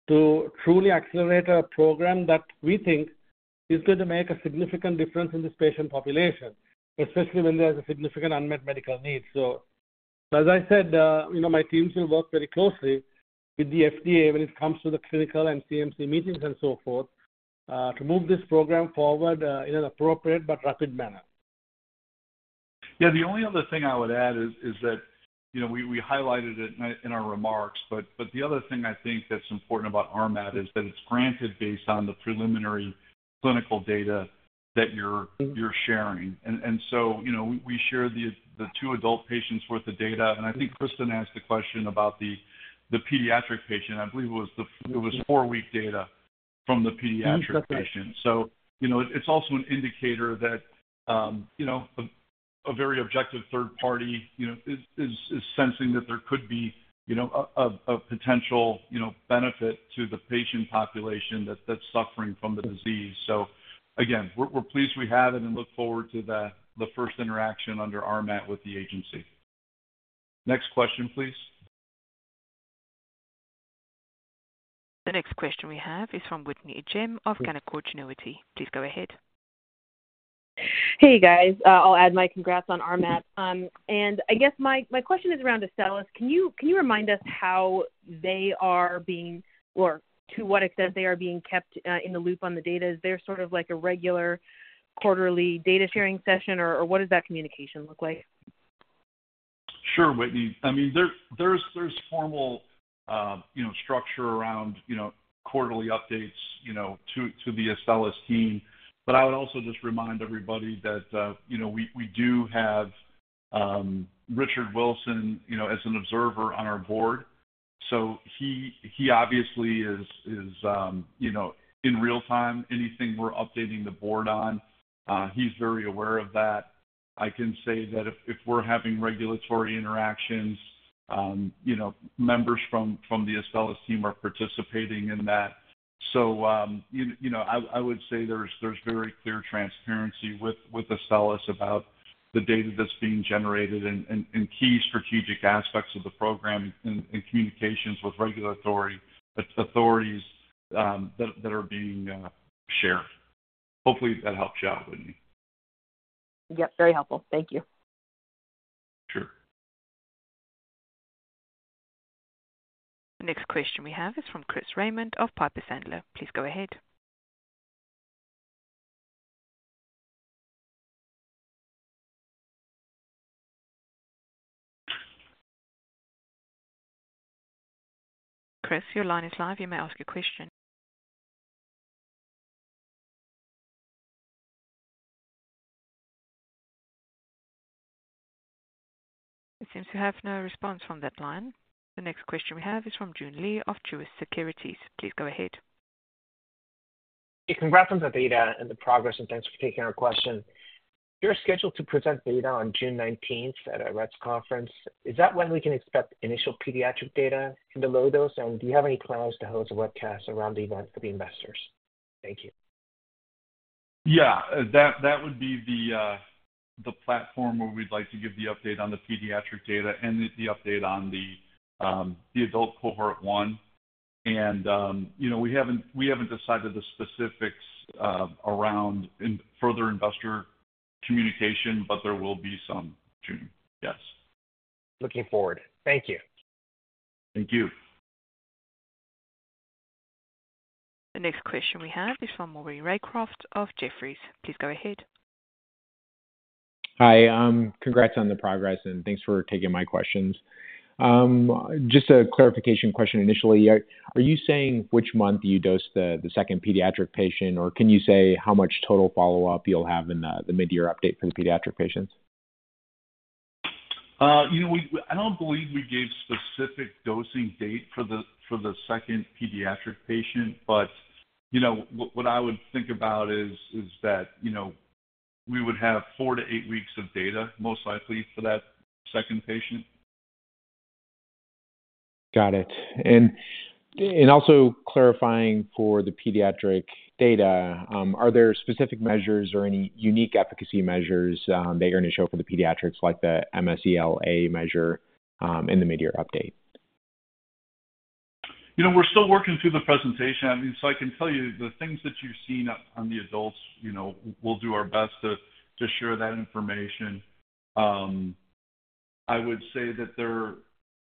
D: to truly accelerate a program that we think is going to make a significant difference in this patient population, especially when there's a significant unmet medical need. So as I said, my teams will work very closely with the FDA when it comes to the clinical and CMC meetings and so forth to move this program forward in an appropriate but rapid manner.
C: Yeah. The only other thing I would add is that we highlighted it in our remarks. But the other thing I think that's important about RMAT is that it's granted based on the preliminary clinical data that you're sharing. And so we share the two adult patients' worth of data. And I think Kristen asked a question about the pediatric patient. I believe it was four week data from the pediatric patient. So it's also an indicator that a very objective third party is sensing that there could be a potential benefit to the patient population that's suffering from the disease. So again, we're pleased we have it and look forward to the first interaction under RMAT with the agency. Next question, please.
A: The next question we have is from Whitney Ijem of Canaccord Genuity. Please go ahead.
H: Hey, guys. I'll add my congrats on RMAT. And I guess my question is around Astellas. Can you remind us how they are being or to what extent they are being kept in the loop on the data? Is there sort of a regular quarterly data-sharing session, or what does that communication look like?
C: Sure, Whitney. I mean, there's formal structure around quarterly updates to the Astellas team. But I would also just remind everybody that we do have Richard Wilson as an observer on our board. So he obviously is in real time. Anything we're updating the board on, he's very aware of that. I can say that if we're having regulatory interactions, members from the Astellas team are participating in that. So I would say there's very clear transparency with Astellas about the data that's being generated and key strategic aspects of the program and communications with regulatory authorities that are being shared. Hopefully, that helps you out, Whitney.
H: Yep. Very helpful. Thank you.
C: Sure.
A: The next question we have is from Chris Raymond of Piper Sandler. Please go ahead. Chris, your line is live. You may ask your question. It seems we have no response from that line. The next question we have is from Joon Lee of Truist Securities. Please go ahead.
I: Hey, congrats on the data and the progress, and thanks for taking our question. You're scheduled to present data on June 19th at a Rett's conference. Is that when we can expect initial pediatric data in the low dose? Do you have any plans to host a webcast around the event for the investors? Thank you.
C: Yeah. That would be the platform where we'd like to give the update on the pediatric data and the update on the adult cohort 1. And we haven't decided the specifics around further investor communication, but there will be some soon, yes.
I: Looking forward. Thank you.
C: Thank you.
A: The next question we have is from Maury Raycroft of Jefferies. Please go ahead.
J: Hi. Congrats on the progress, and thanks for taking my questions. Just a clarification question initially. Are you saying which month you dose the second pediatric patient, or can you say how much total follow-up you'll have in the midyear update for the pediatric patients?
C: I don't believe we gave a specific dosing date for the second pediatric patient. But what I would think about is that we would have 4-8 weeks of data, most likely, for that second patient.
J: Got it. And also clarifying for the pediatric data, are there specific measures or any unique efficacy measures they're going to show for the pediatrics, like the MSEL measure, in the midyear update?
C: We're still working through the presentation. I mean, so I can tell you the things that you've seen on the adults, we'll do our best to share that information. I would say that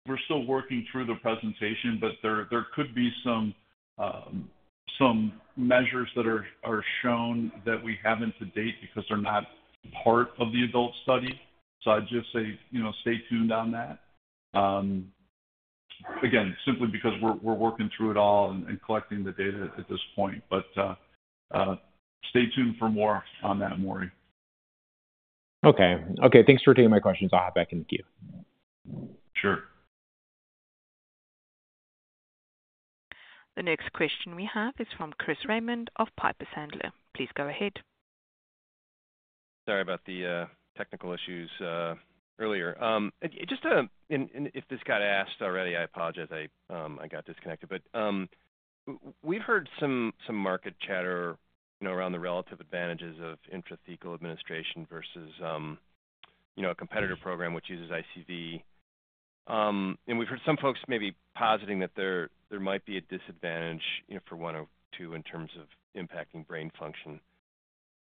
C: we're still working through the presentation, but there could be some measures that are shown that we haven't to date because they're not part of the adult study. So I'd just say stay tuned on that, again, simply because we're working through it all and collecting the data at this point. But stay tuned for more on that, Maury.
J: Okay. Okay. Thanks for taking my questions. I'll hop back in the queue.
C: Sure.
A: The next question we have is from Chris Raymond of Piper Sandler. Please go ahead.
K: Sorry about the technical issues earlier. And if this got asked already, I apologize. I got disconnected. But we've heard some market chatter around the relative advantages of intrathecal administration versus a competitor program which uses ICV. And we've heard some folks maybe positing that there might be a disadvantage for one or two in terms of impacting brain function.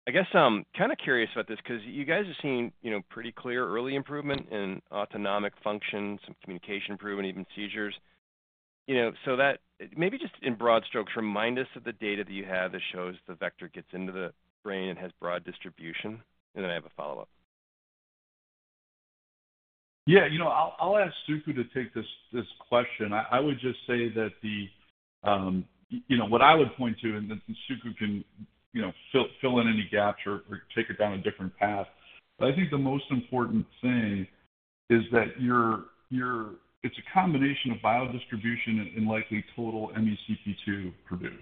K: I guess I'm kind of curious about this because you guys have seen pretty clear early improvement in autonomic function, some communication improvement, even seizures. So maybe just in broad strokes, remind us of the data that you have that shows the vector gets into the brain and has broad distribution, and then I have a follow-up.
C: Yeah. I'll ask Sukumar to take this question. I would just say that what I would point to, and then Sukumar can fill in any gaps or take it down a different path, but I think the most important thing is that it's a combination of biodistribution and likely total MECP2 produced.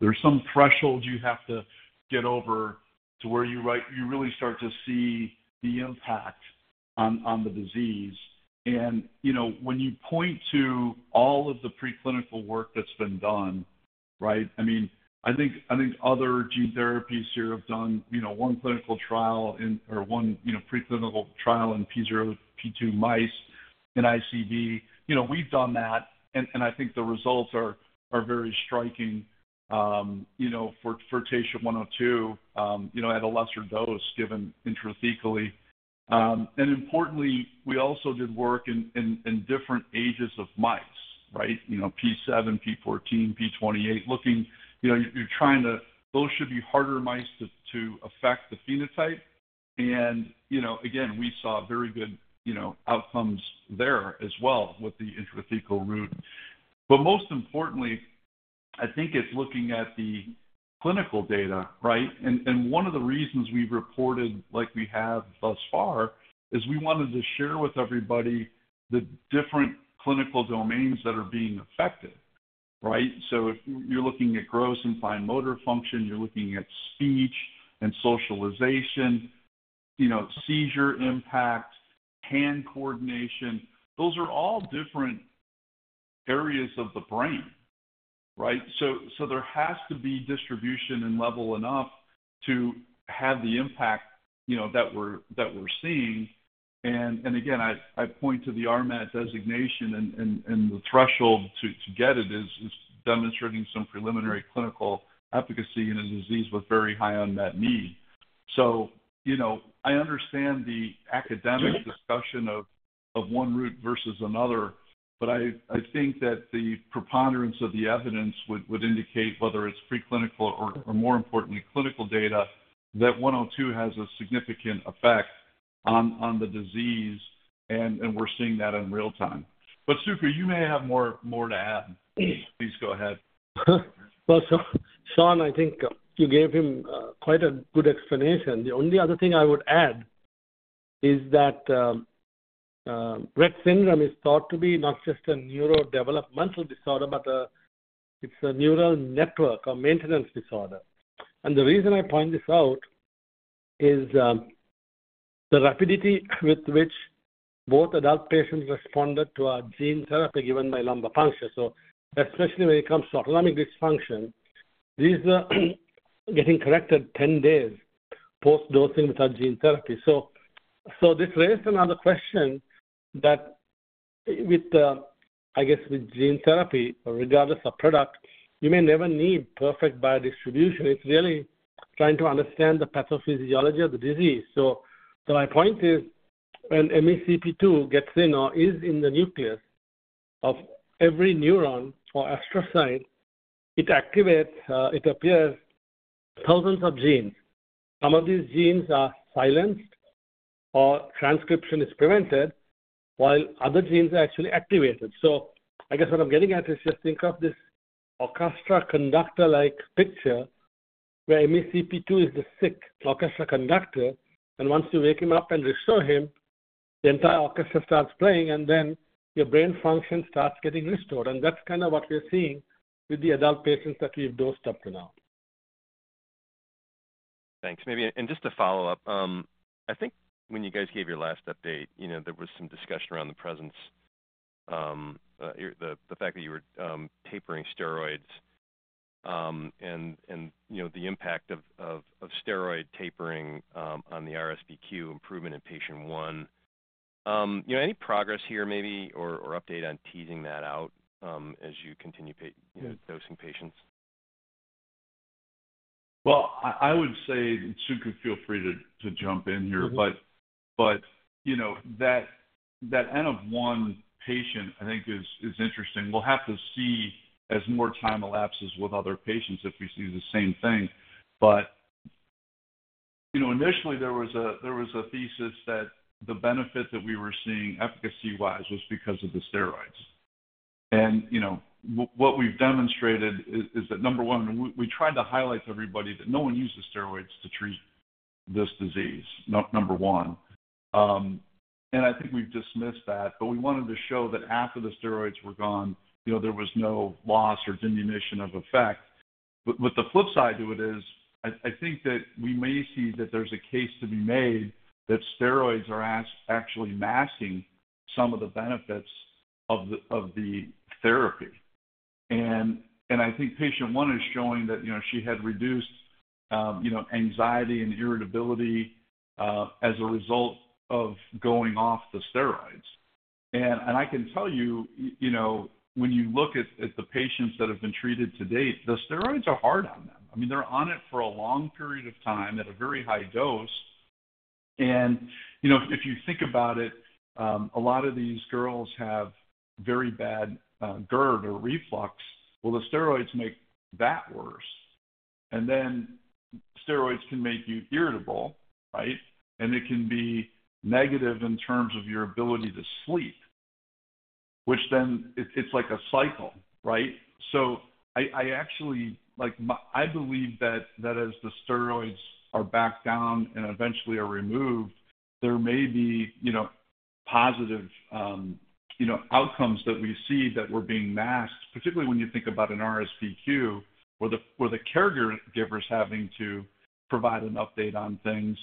C: There's some thresholds you have to get over to where you really start to see the impact on the disease. And when you point to all of the preclinical work that's been done, right, I mean, I think other gene therapies here have done one clinical trial or one preclinical trial in P0, P2 mice in ICV. We've done that, and I think the results are very striking for TSHA-102 at a lesser dose given intrathecally. And importantly, we also did work in different ages of mice, right, P7, P14, P28, looking you're trying to those should be harder mice to affect the phenotype. And again, we saw very good outcomes there as well with the intrathecal route. But most importantly, I think it's looking at the clinical data, right? And one of the reasons we've reported like we have thus far is we wanted to share with everybody the different clinical domains that are being affected, right? So you're looking at gross and fine motor function. You're looking at speech and socialization, seizure impact, hand coordination. Those are all different areas of the brain, right? So there has to be distribution and level enough to have the impact that we're seeing. And again, I point to the RMAT designation, and the threshold to get it is demonstrating some preliminary clinical efficacy in a disease with very high unmet need. So I understand the academic discussion of one route versus another, but I think that the preponderance of the evidence would indicate, whether it's preclinical or more importantly, clinical data, that 102 has a significant effect on the disease, and we're seeing that in real time. But Sukumar, you may have more to add. Please go ahead.
D: Well, Sean, I think you gave him quite a good explanation. The only other thing I would add is that Rett syndrome is thought to be not just a neurodevelopmental disorder, but it's a neural network or maintenance disorder. And the reason I point this out is the rapidity with which both adult patients responded to our gene therapy given by lumbar puncture. So especially when it comes to autonomic dysfunction, these are getting corrected 10 days post-dosing with our gene therapy. So this raises another question that, I guess, with gene therapy, regardless of product, you may never need perfect biodistribution. It's really trying to understand the pathophysiology of the disease. So my point is, when MECP2 gets in or is in the nucleus of every neuron or astrocytes, it appears thousands of genes. Some of these genes are silenced or transcription is prevented, while other genes are actually activated. So I guess what I'm getting at is just think of this orchestra conductor-like picture where MECP2 is the sick orchestra conductor, and once you wake him up and restore him, the entire orchestra starts playing, and then your brain function starts getting restored. And that's kind of what we're seeing with the adult patients that we've dosed up to now.
K: Thanks. Just to follow up, I think when you guys gave your last update, there was some discussion around the presence, the fact that you were tapering steroids, and the impact of steroid tapering on the RSBQ improvement in patient 1. Any progress here maybe or update on teasing that out as you continue dosing patients?
C: Well, I would say, Sukumar, feel free to jump in here. But that N of 1 patient, I think, is interesting. We'll have to see as more time elapses with other patients if we see the same thing. But initially, there was a thesis that the benefit that we were seeing efficacy-wise was because of the steroids. And what we've demonstrated is that, number 1, we tried to highlight to everybody that no one uses steroids to treat this disease, number 1. And I think we've dismissed that. But we wanted to show that after the steroids were gone, there was no loss or diminution of effect. But the flip side to it is I think that we may see that there's a case to be made that steroids are actually masking some of the benefits of the therapy. And I think patient one is showing that she had reduced anxiety and irritability as a result of going off the steroids. And I can tell you, when you look at the patients that have been treated to date, the steroids are hard on them. I mean, they're on it for a long period of time at a very high dose. And if you think about it, a lot of these girls have very bad GERD or reflux. Well, the steroids make that worse. And then steroids can make you irritable, right? And it can be negative in terms of your ability to sleep, which then it's like a cycle, right? So I believe that as the steroids are backed down and eventually are removed, there may be positive outcomes that we see that we're being masked, particularly when you think about an RSBQ where the caregivers are having to provide an update on things.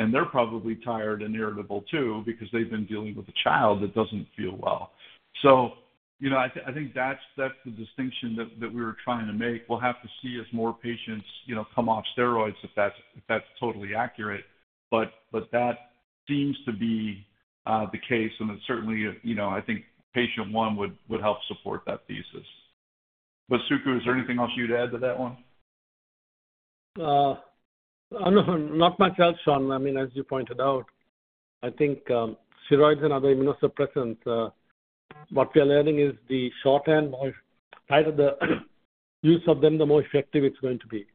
C: And they're probably tired and irritable too because they've been dealing with a child that doesn't feel well. So I think that's the distinction that we were trying to make. We'll have to see as more patients come off steroids if that's totally accurate. But that seems to be the case. And certainly, I think patient one would help support that thesis. But Sukumar, is there anything else you'd add to that one?
D: Not much else, Sean. I mean, as you pointed out, I think steroids and other immunosuppressants, what we are learning is the shorter the use of them, the more effective it's going to be.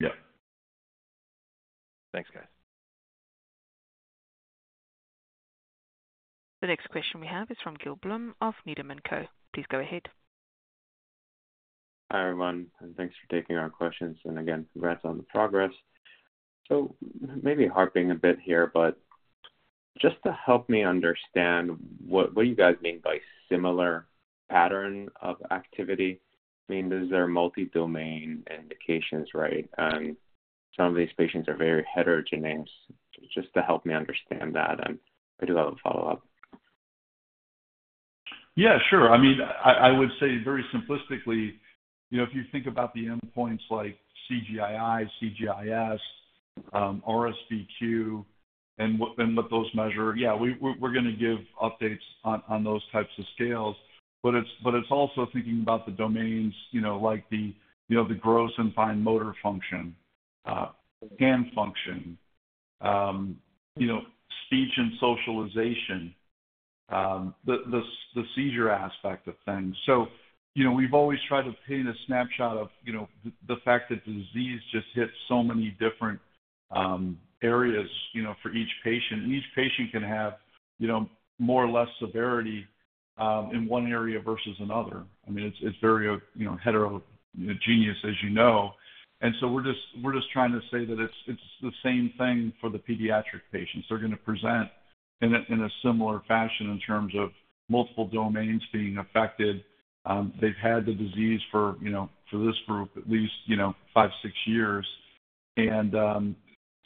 C: Yeah.
K: Thanks, guys.
A: The next question we have is from Gil Blum of Needham & Company. Please go ahead.
L: Hi, everyone. Thanks for taking our questions. And again, congrats on the progress. So maybe harping a bit here, but just to help me understand, what do you guys mean by similar pattern of activity? I mean, is there multi-domain indications, right? And some of these patients are very heterogeneous. Just to help me understand that, and I do have a follow-up.
C: Yeah, sure. I mean, I would say very simplistically, if you think about the endpoints like CGI-I, CGI-S, RSBQ, and what those measure, yeah, we're going to give updates on those types of scales. But it's also thinking about the domains like the gross and fine motor function, hand function, speech and socialization, the seizure aspect of things. So we've always tried to paint a snapshot of the fact that disease just hits so many different areas for each patient. And each patient can have more or less severity in one area versus another. I mean, it's very heterogeneous, as you know. And so we're just trying to say that it's the same thing for the pediatric patients. They're going to present in a similar fashion in terms of multiple domains being affected. They've had the disease for this group at least 5, 6 years. And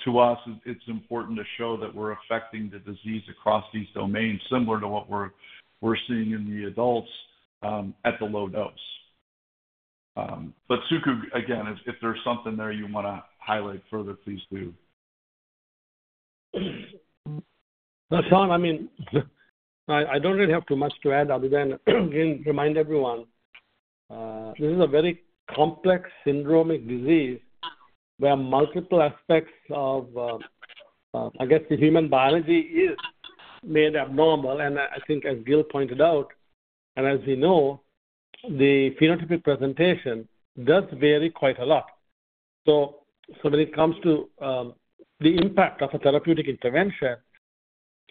C: to us, it's important to show that we're affecting the disease across these domains similar to what we're seeing in the adults at the low dose. But Sukumar, again, if there's something there you want to highlight further, please do.
D: Sean, I mean, I don't really have too much to add other than, again, remind everyone, this is a very complex syndromic disease where multiple aspects of, I guess, the human biology is made abnormal. And I think, as Gil pointed out and as we know, the phenotypic presentation does vary quite a lot. So when it comes to the impact of a therapeutic intervention,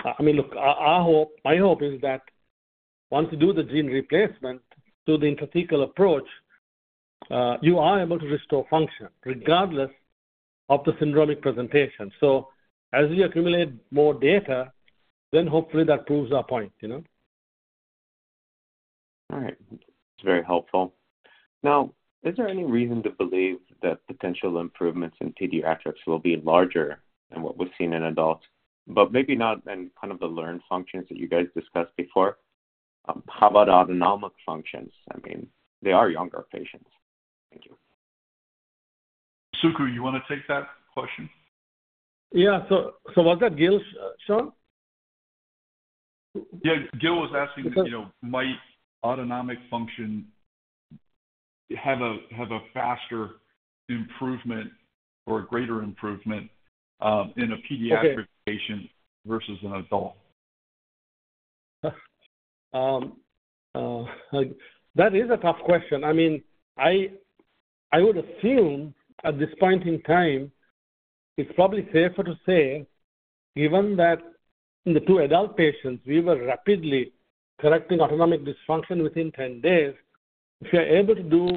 D: I mean, look, my hope is that once you do the gene replacement through the intrathecal approach, you are able to restore function regardless of the syndromic presentation. So as we accumulate more data, then hopefully, that proves our point.
L: All right. That's very helpful. Now, is there any reason to believe that potential improvements in pediatrics will be larger than what was seen in adults, but maybe not in kind of the learned functions that you guys discussed before? How about autonomic functions? I mean, they are younger patients. Thank you.
C: Sukumar, you want to take that question?
D: Yeah. So was that Gil, Sean?
C: Yeah. Gil was asking might autonomic function have a faster improvement or a greater improvement in a pediatric patient versus an adult?
D: That is a tough question. I mean, I would assume at this point in time, it's probably safer to say, given that in the two adult patients, we were rapidly correcting autonomic dysfunction within 10 days. If you're able to do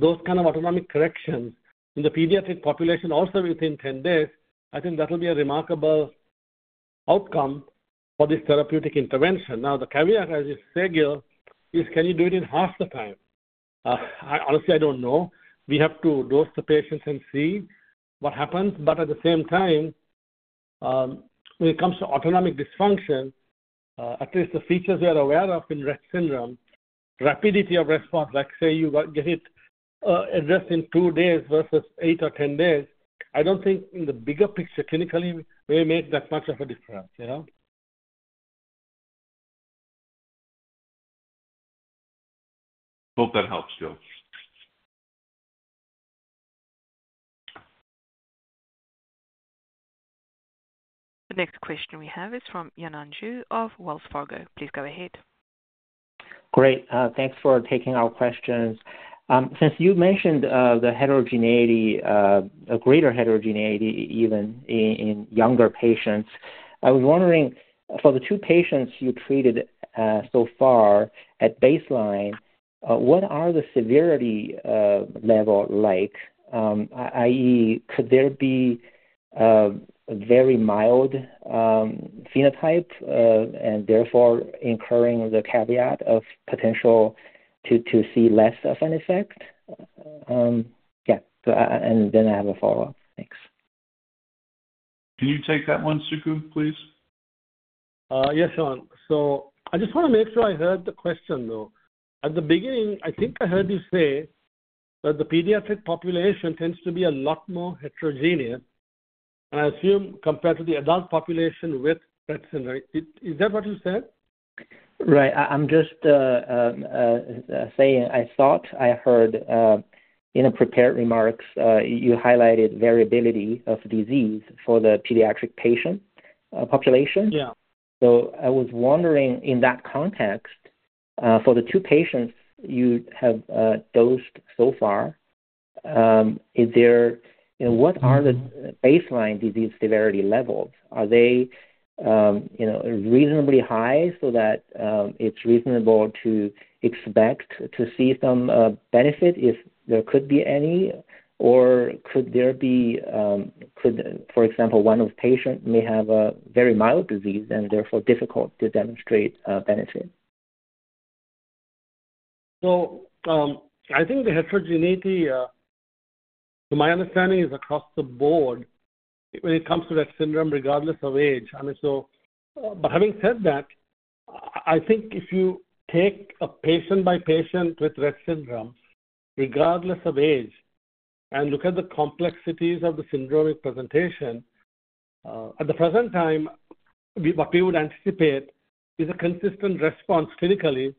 D: those kind of autonomic corrections in the pediatric population also within 10 days, I think that will be a remarkable outcome for this therapeutic intervention. Now, the caveat, as you say, Gil, is can you do it in half the time? Honestly, I don't know. We have to dose the patients and see what happens. But at the same time, when it comes to autonomic dysfunction, at least the features we are aware of in Rett syndrome, rapidity of response, like say you get it addressed in two days versus eight or 10 days, I don't think in the bigger picture, clinically, may make that much of a difference.
C: Hope that helps, Gil.
A: The next question we have is from Yanan Zhu of Wells Fargo. Please go ahead.
M: Great. Thanks for taking our questions. Since you mentioned the heterogeneity, a greater heterogeneity even in younger patients, I was wondering, for the two patients you treated so far at baseline, what are the severity levels like, i.e., could there be a very mild phenotype and therefore incurring the caveat of potential to see less of an effect? Yeah. And then I have a follow-up. Thanks.
C: Can you take that one, Sukumar, please?
D: Yeah, Sean. So I just want to make sure I heard the question, though. At the beginning, I think I heard you say that the pediatric population tends to be a lot more heterogeneous, and I assume compared to the adult population with Rett syndrome. Is that what you said?
M: Right. I'm just saying I thought I heard in the prepared remarks, you highlighted variability of disease for the pediatric patient population. So I was wondering, in that context, for the two patients you have dosed so far, what are the baseline disease severity levels? Are they reasonably high so that it's reasonable to expect to see some benefit if there could be any? Or could there be, for example, one of the patients may have a very mild disease and therefore difficult to demonstrate benefit?
D: So I think the heterogeneity, to my understanding, is across the board when it comes to Rett syndrome, regardless of age. I mean, so but having said that, I think if you take a patient by patient with Rett syndrome, regardless of age, and look at the complexities of the syndromic presentation, at the present time, what we would anticipate is a consistent response clinically,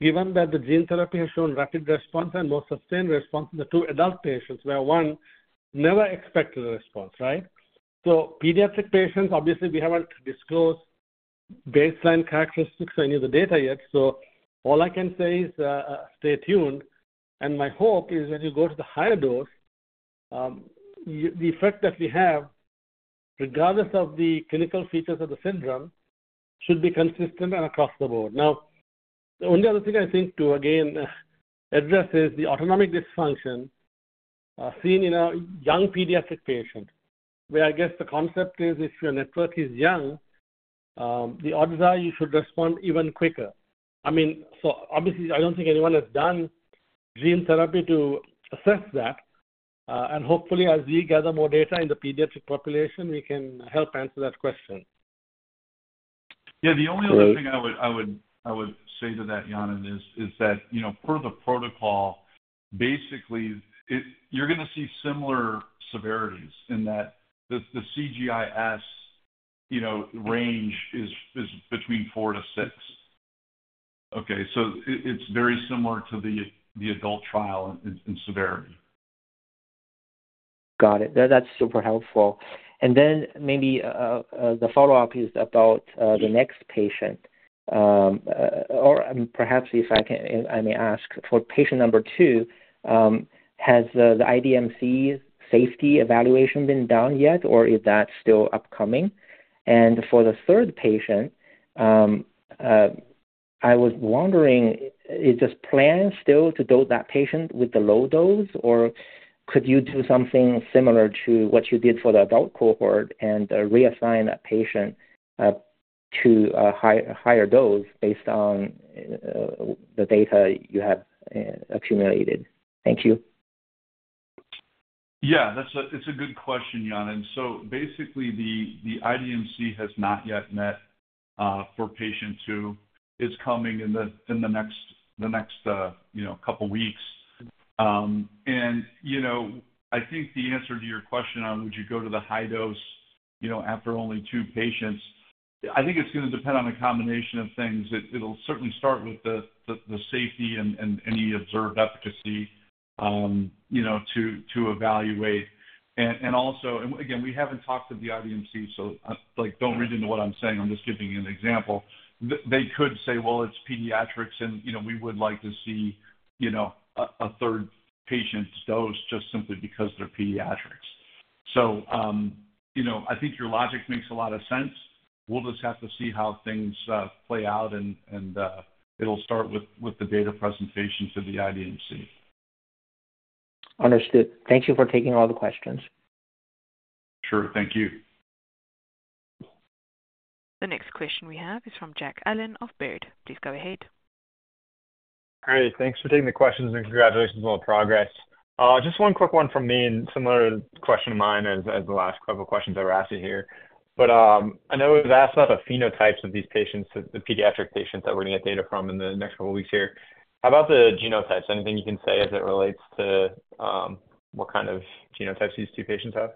D: given that the gene therapy has shown rapid response and more sustained response in the two adult patients where one never expected a response, right? So pediatric patients, obviously, we haven't disclosed baseline characteristics or any of the data yet. So all I can say is stay tuned. And my hope is when you go to the higher dose, the effect that we have, regardless of the clinical features of the syndrome, should be consistent and across the board. Now, the only other thing I think to, again, address is the autonomic dysfunction seen in a young pediatric patient where I guess the concept is if your network is young, the odds are you should respond even quicker. I mean, so obviously, I don't think anyone has done gene therapy to assess that. And hopefully, as we gather more data in the pediatric population, we can help answer that question.
C: Yeah. The only other thing I would say to that, Yanan, is that per the protocol, basically, you're going to see similar severities in that the CGI-S range is between 4-6. Okay. So it's very similar to the adult trial in severity.
M: Got it. That's super helpful. And then maybe the follow-up is about the next patient. Or perhaps if I may ask, for patient number 2, has the IDMC safety evaluation been done yet, or is that still upcoming? And for the third patient, I was wondering, is this plan still to dose that patient with the low dose, or could you do something similar to what you did for the adult cohort and reassign that patient to a higher dose based on the data you have accumulated? Thank you.
C: Yeah. It's a good question, Yanan. So basically, the IDMC has not yet met for patient 2. It's coming in the next couple of weeks. And I think the answer to your question on would you go to the high dose after only two patients, I think it's going to depend on a combination of things. It'll certainly start with the safety and any observed efficacy to evaluate. Again, we haven't talked to the IDMC, so don't read into what I'm saying. I'm just giving you an example. They could say, "Well, it's pediatrics, and we would like to see a third patient's dose just simply because they're pediatrics." So I think your logic makes a lot of sense. We'll just have to see how things play out, and it'll start with the data presentation to the IDMC.
M: Understood. Thank you for taking all the questions.
C: Sure. Thank you.
A: The next question we have is from Jack Allen of Baird. Please go ahead.
N: All right. Thanks for taking the questions, and congratulations on the progress. Just one quick one from me and similar question to mine as the last couple of questions I were asking here. But I know it was asked about the phenotypes of these patients, the pediatric patients that we're going to get data from in the next couple of weeks here. How about the genotypes? Anything you can say as it relates to what kind of genotypes these two patients have?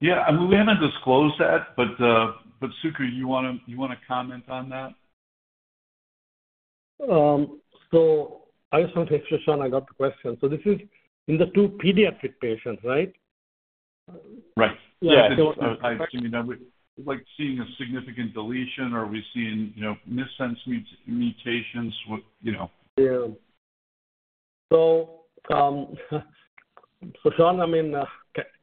C: Yeah. I mean, we haven't disclosed that. But Sukumar, you want to comment on that?
D: So I just want to make sure, Sean, I got the question. So this is in the two pediatric patients, right?
C: Right. Yeah. I assume you know. Like seeing a significant deletion, or are we seeing missense mutations?
D: Yeah. So Sean, I mean,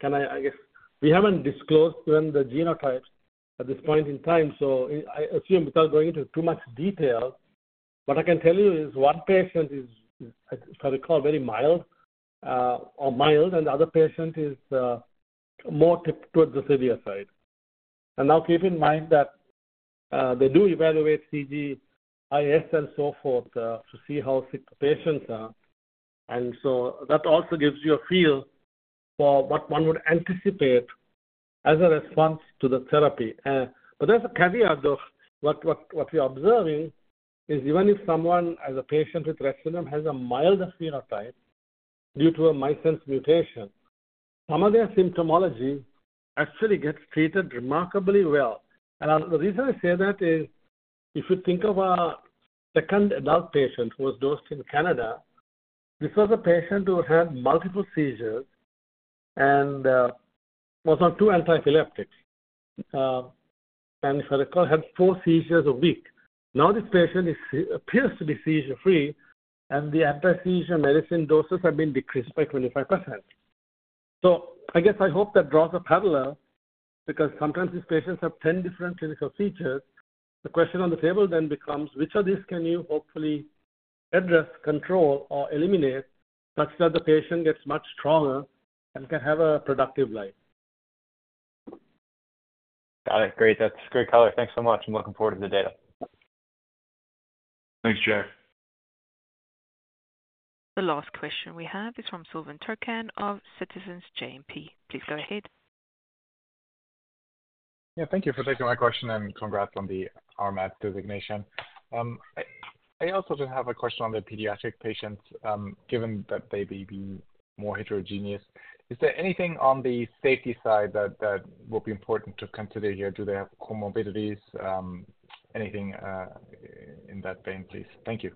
D: can I, I guess, we haven't disclosed even the genotypes at this point in time. So I assume without going into too much detail, what I can tell you is one patient is, if I recall, very mild or mild, and the other patient is more towards the severe side. And now keep in mind that they do evaluate CGI-S and so forth to see how sick the patients are. And so that also gives you a feel for what one would anticipate as a response to the therapy. But there's a caveat, though. What we're observing is even if someone, as a patient with Rett syndrome, has a milder phenotype due to a missense mutation, some of their symptomology actually gets treated remarkably well. And the reason I say that is if you think of our second adult patient who was dosed in Canada, this was a patient who had multiple seizures and was on two antiepileptics. And if I recall, had 4 seizures a week. Now this patient appears to be seizure-free, and the antiseizure medicine doses have been decreased by 25%. So I guess I hope that draws a parallel because sometimes these patients have 10 different clinical features. The question on the table then becomes, which of these can you hopefully address, control, or eliminate such that the patient gets much stronger and can have a productive life?
N: Got it. Great. That's great color. Thanks so much. I'm looking forward to the data.
C: Thanks, Jack.
A: The last question we have is from Silvan Tuerkcan of Citizens JMP. Please go ahead.
O: Yeah. Thank you for taking my question, and congrats on the RMAT designation. I also just have a question on the pediatric patients, given that they may be more heterogeneous. Is there anything on the safety side that will be important to consider here? Do they have comorbidities? Anything in that vein, please? Thank you.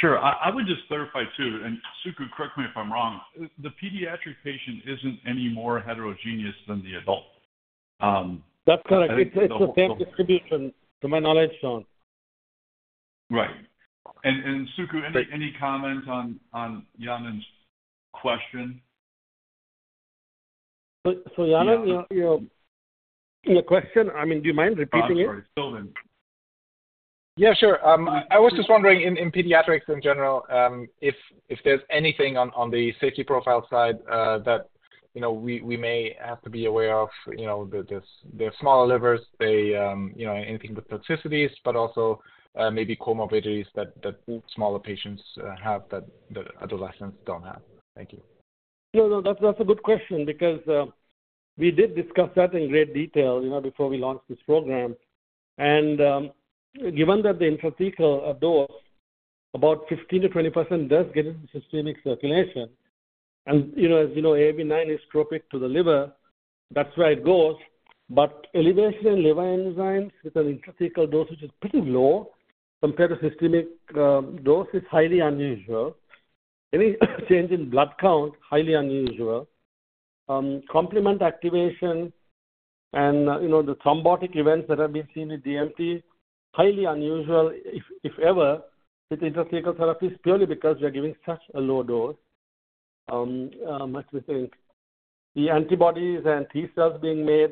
C: Sure. I would just clarify too, and Sukumar, correct me if I'm wrong, the pediatric patient isn't any more heterogeneous than the adult.
D: That's correct. It's a fair distribution, to my knowledge, Sean.
C: Right. And Sukumar, any comments on Yanan's question?
D: So Yanan, your question, I mean, do you mind repeating it?
N: Yeah. Sure. I was just wondering in pediatrics in general if there's anything on the safety profile side that we may have to be aware of. They have smaller livers, anything with toxicities, but also maybe comorbidities that smaller patients have that adolescents don't have. Thank you.
D: No, no. That's a good question because we did discuss that in great detail before we launched this program. And given that the intrathecal dose, about 15%-20% does get into systemic circulation. And as you know, AAV9 is tropic to the liver. That's where it goes. But elevation in liver enzymes with an intrathecal dose, which is pretty low compared to systemic dose, is highly unusual. Any change in blood count, highly unusual. Complement activation and the thrombotic events that have been seen with DMD, highly unusual, if ever, with intrathecal therapies purely because we are giving such a low dose. I must be saying the antibodies and T cells being made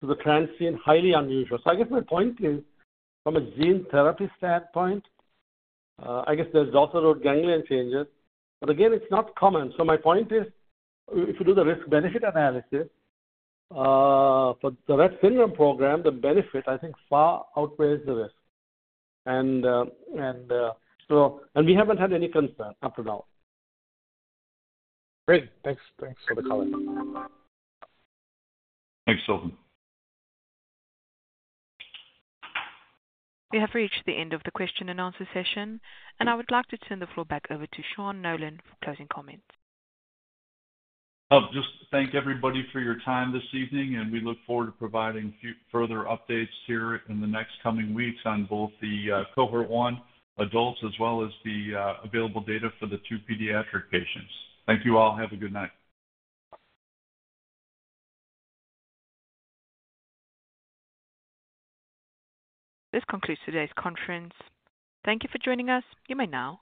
D: to the transgene are highly unusual. So I guess my point is, from a gene therapy standpoint, I guess there's dorsal root ganglion changes. But again, it's not common. So my point is, if you do the risk-benefit analysis for the Rett syndrome program, the benefit, I think, far outweighs the risk. And we haven't had any concern up to now.
O: Great. Thanks for the color.
C: Thanks, Silvan.
A: We have reached the end of the question-and-answer session. I would like to turn the floor back over to Sean Nolan for closing comments.
C: Just thank everybody for your time this evening, and we look forward to providing further updates here in the next coming weeks on both the Cohort 1 adults as well as the available data for the 2 pediatric patients. Thank you all. Have a good night.
A: This concludes today's conference. Thank you for joining us. You may now.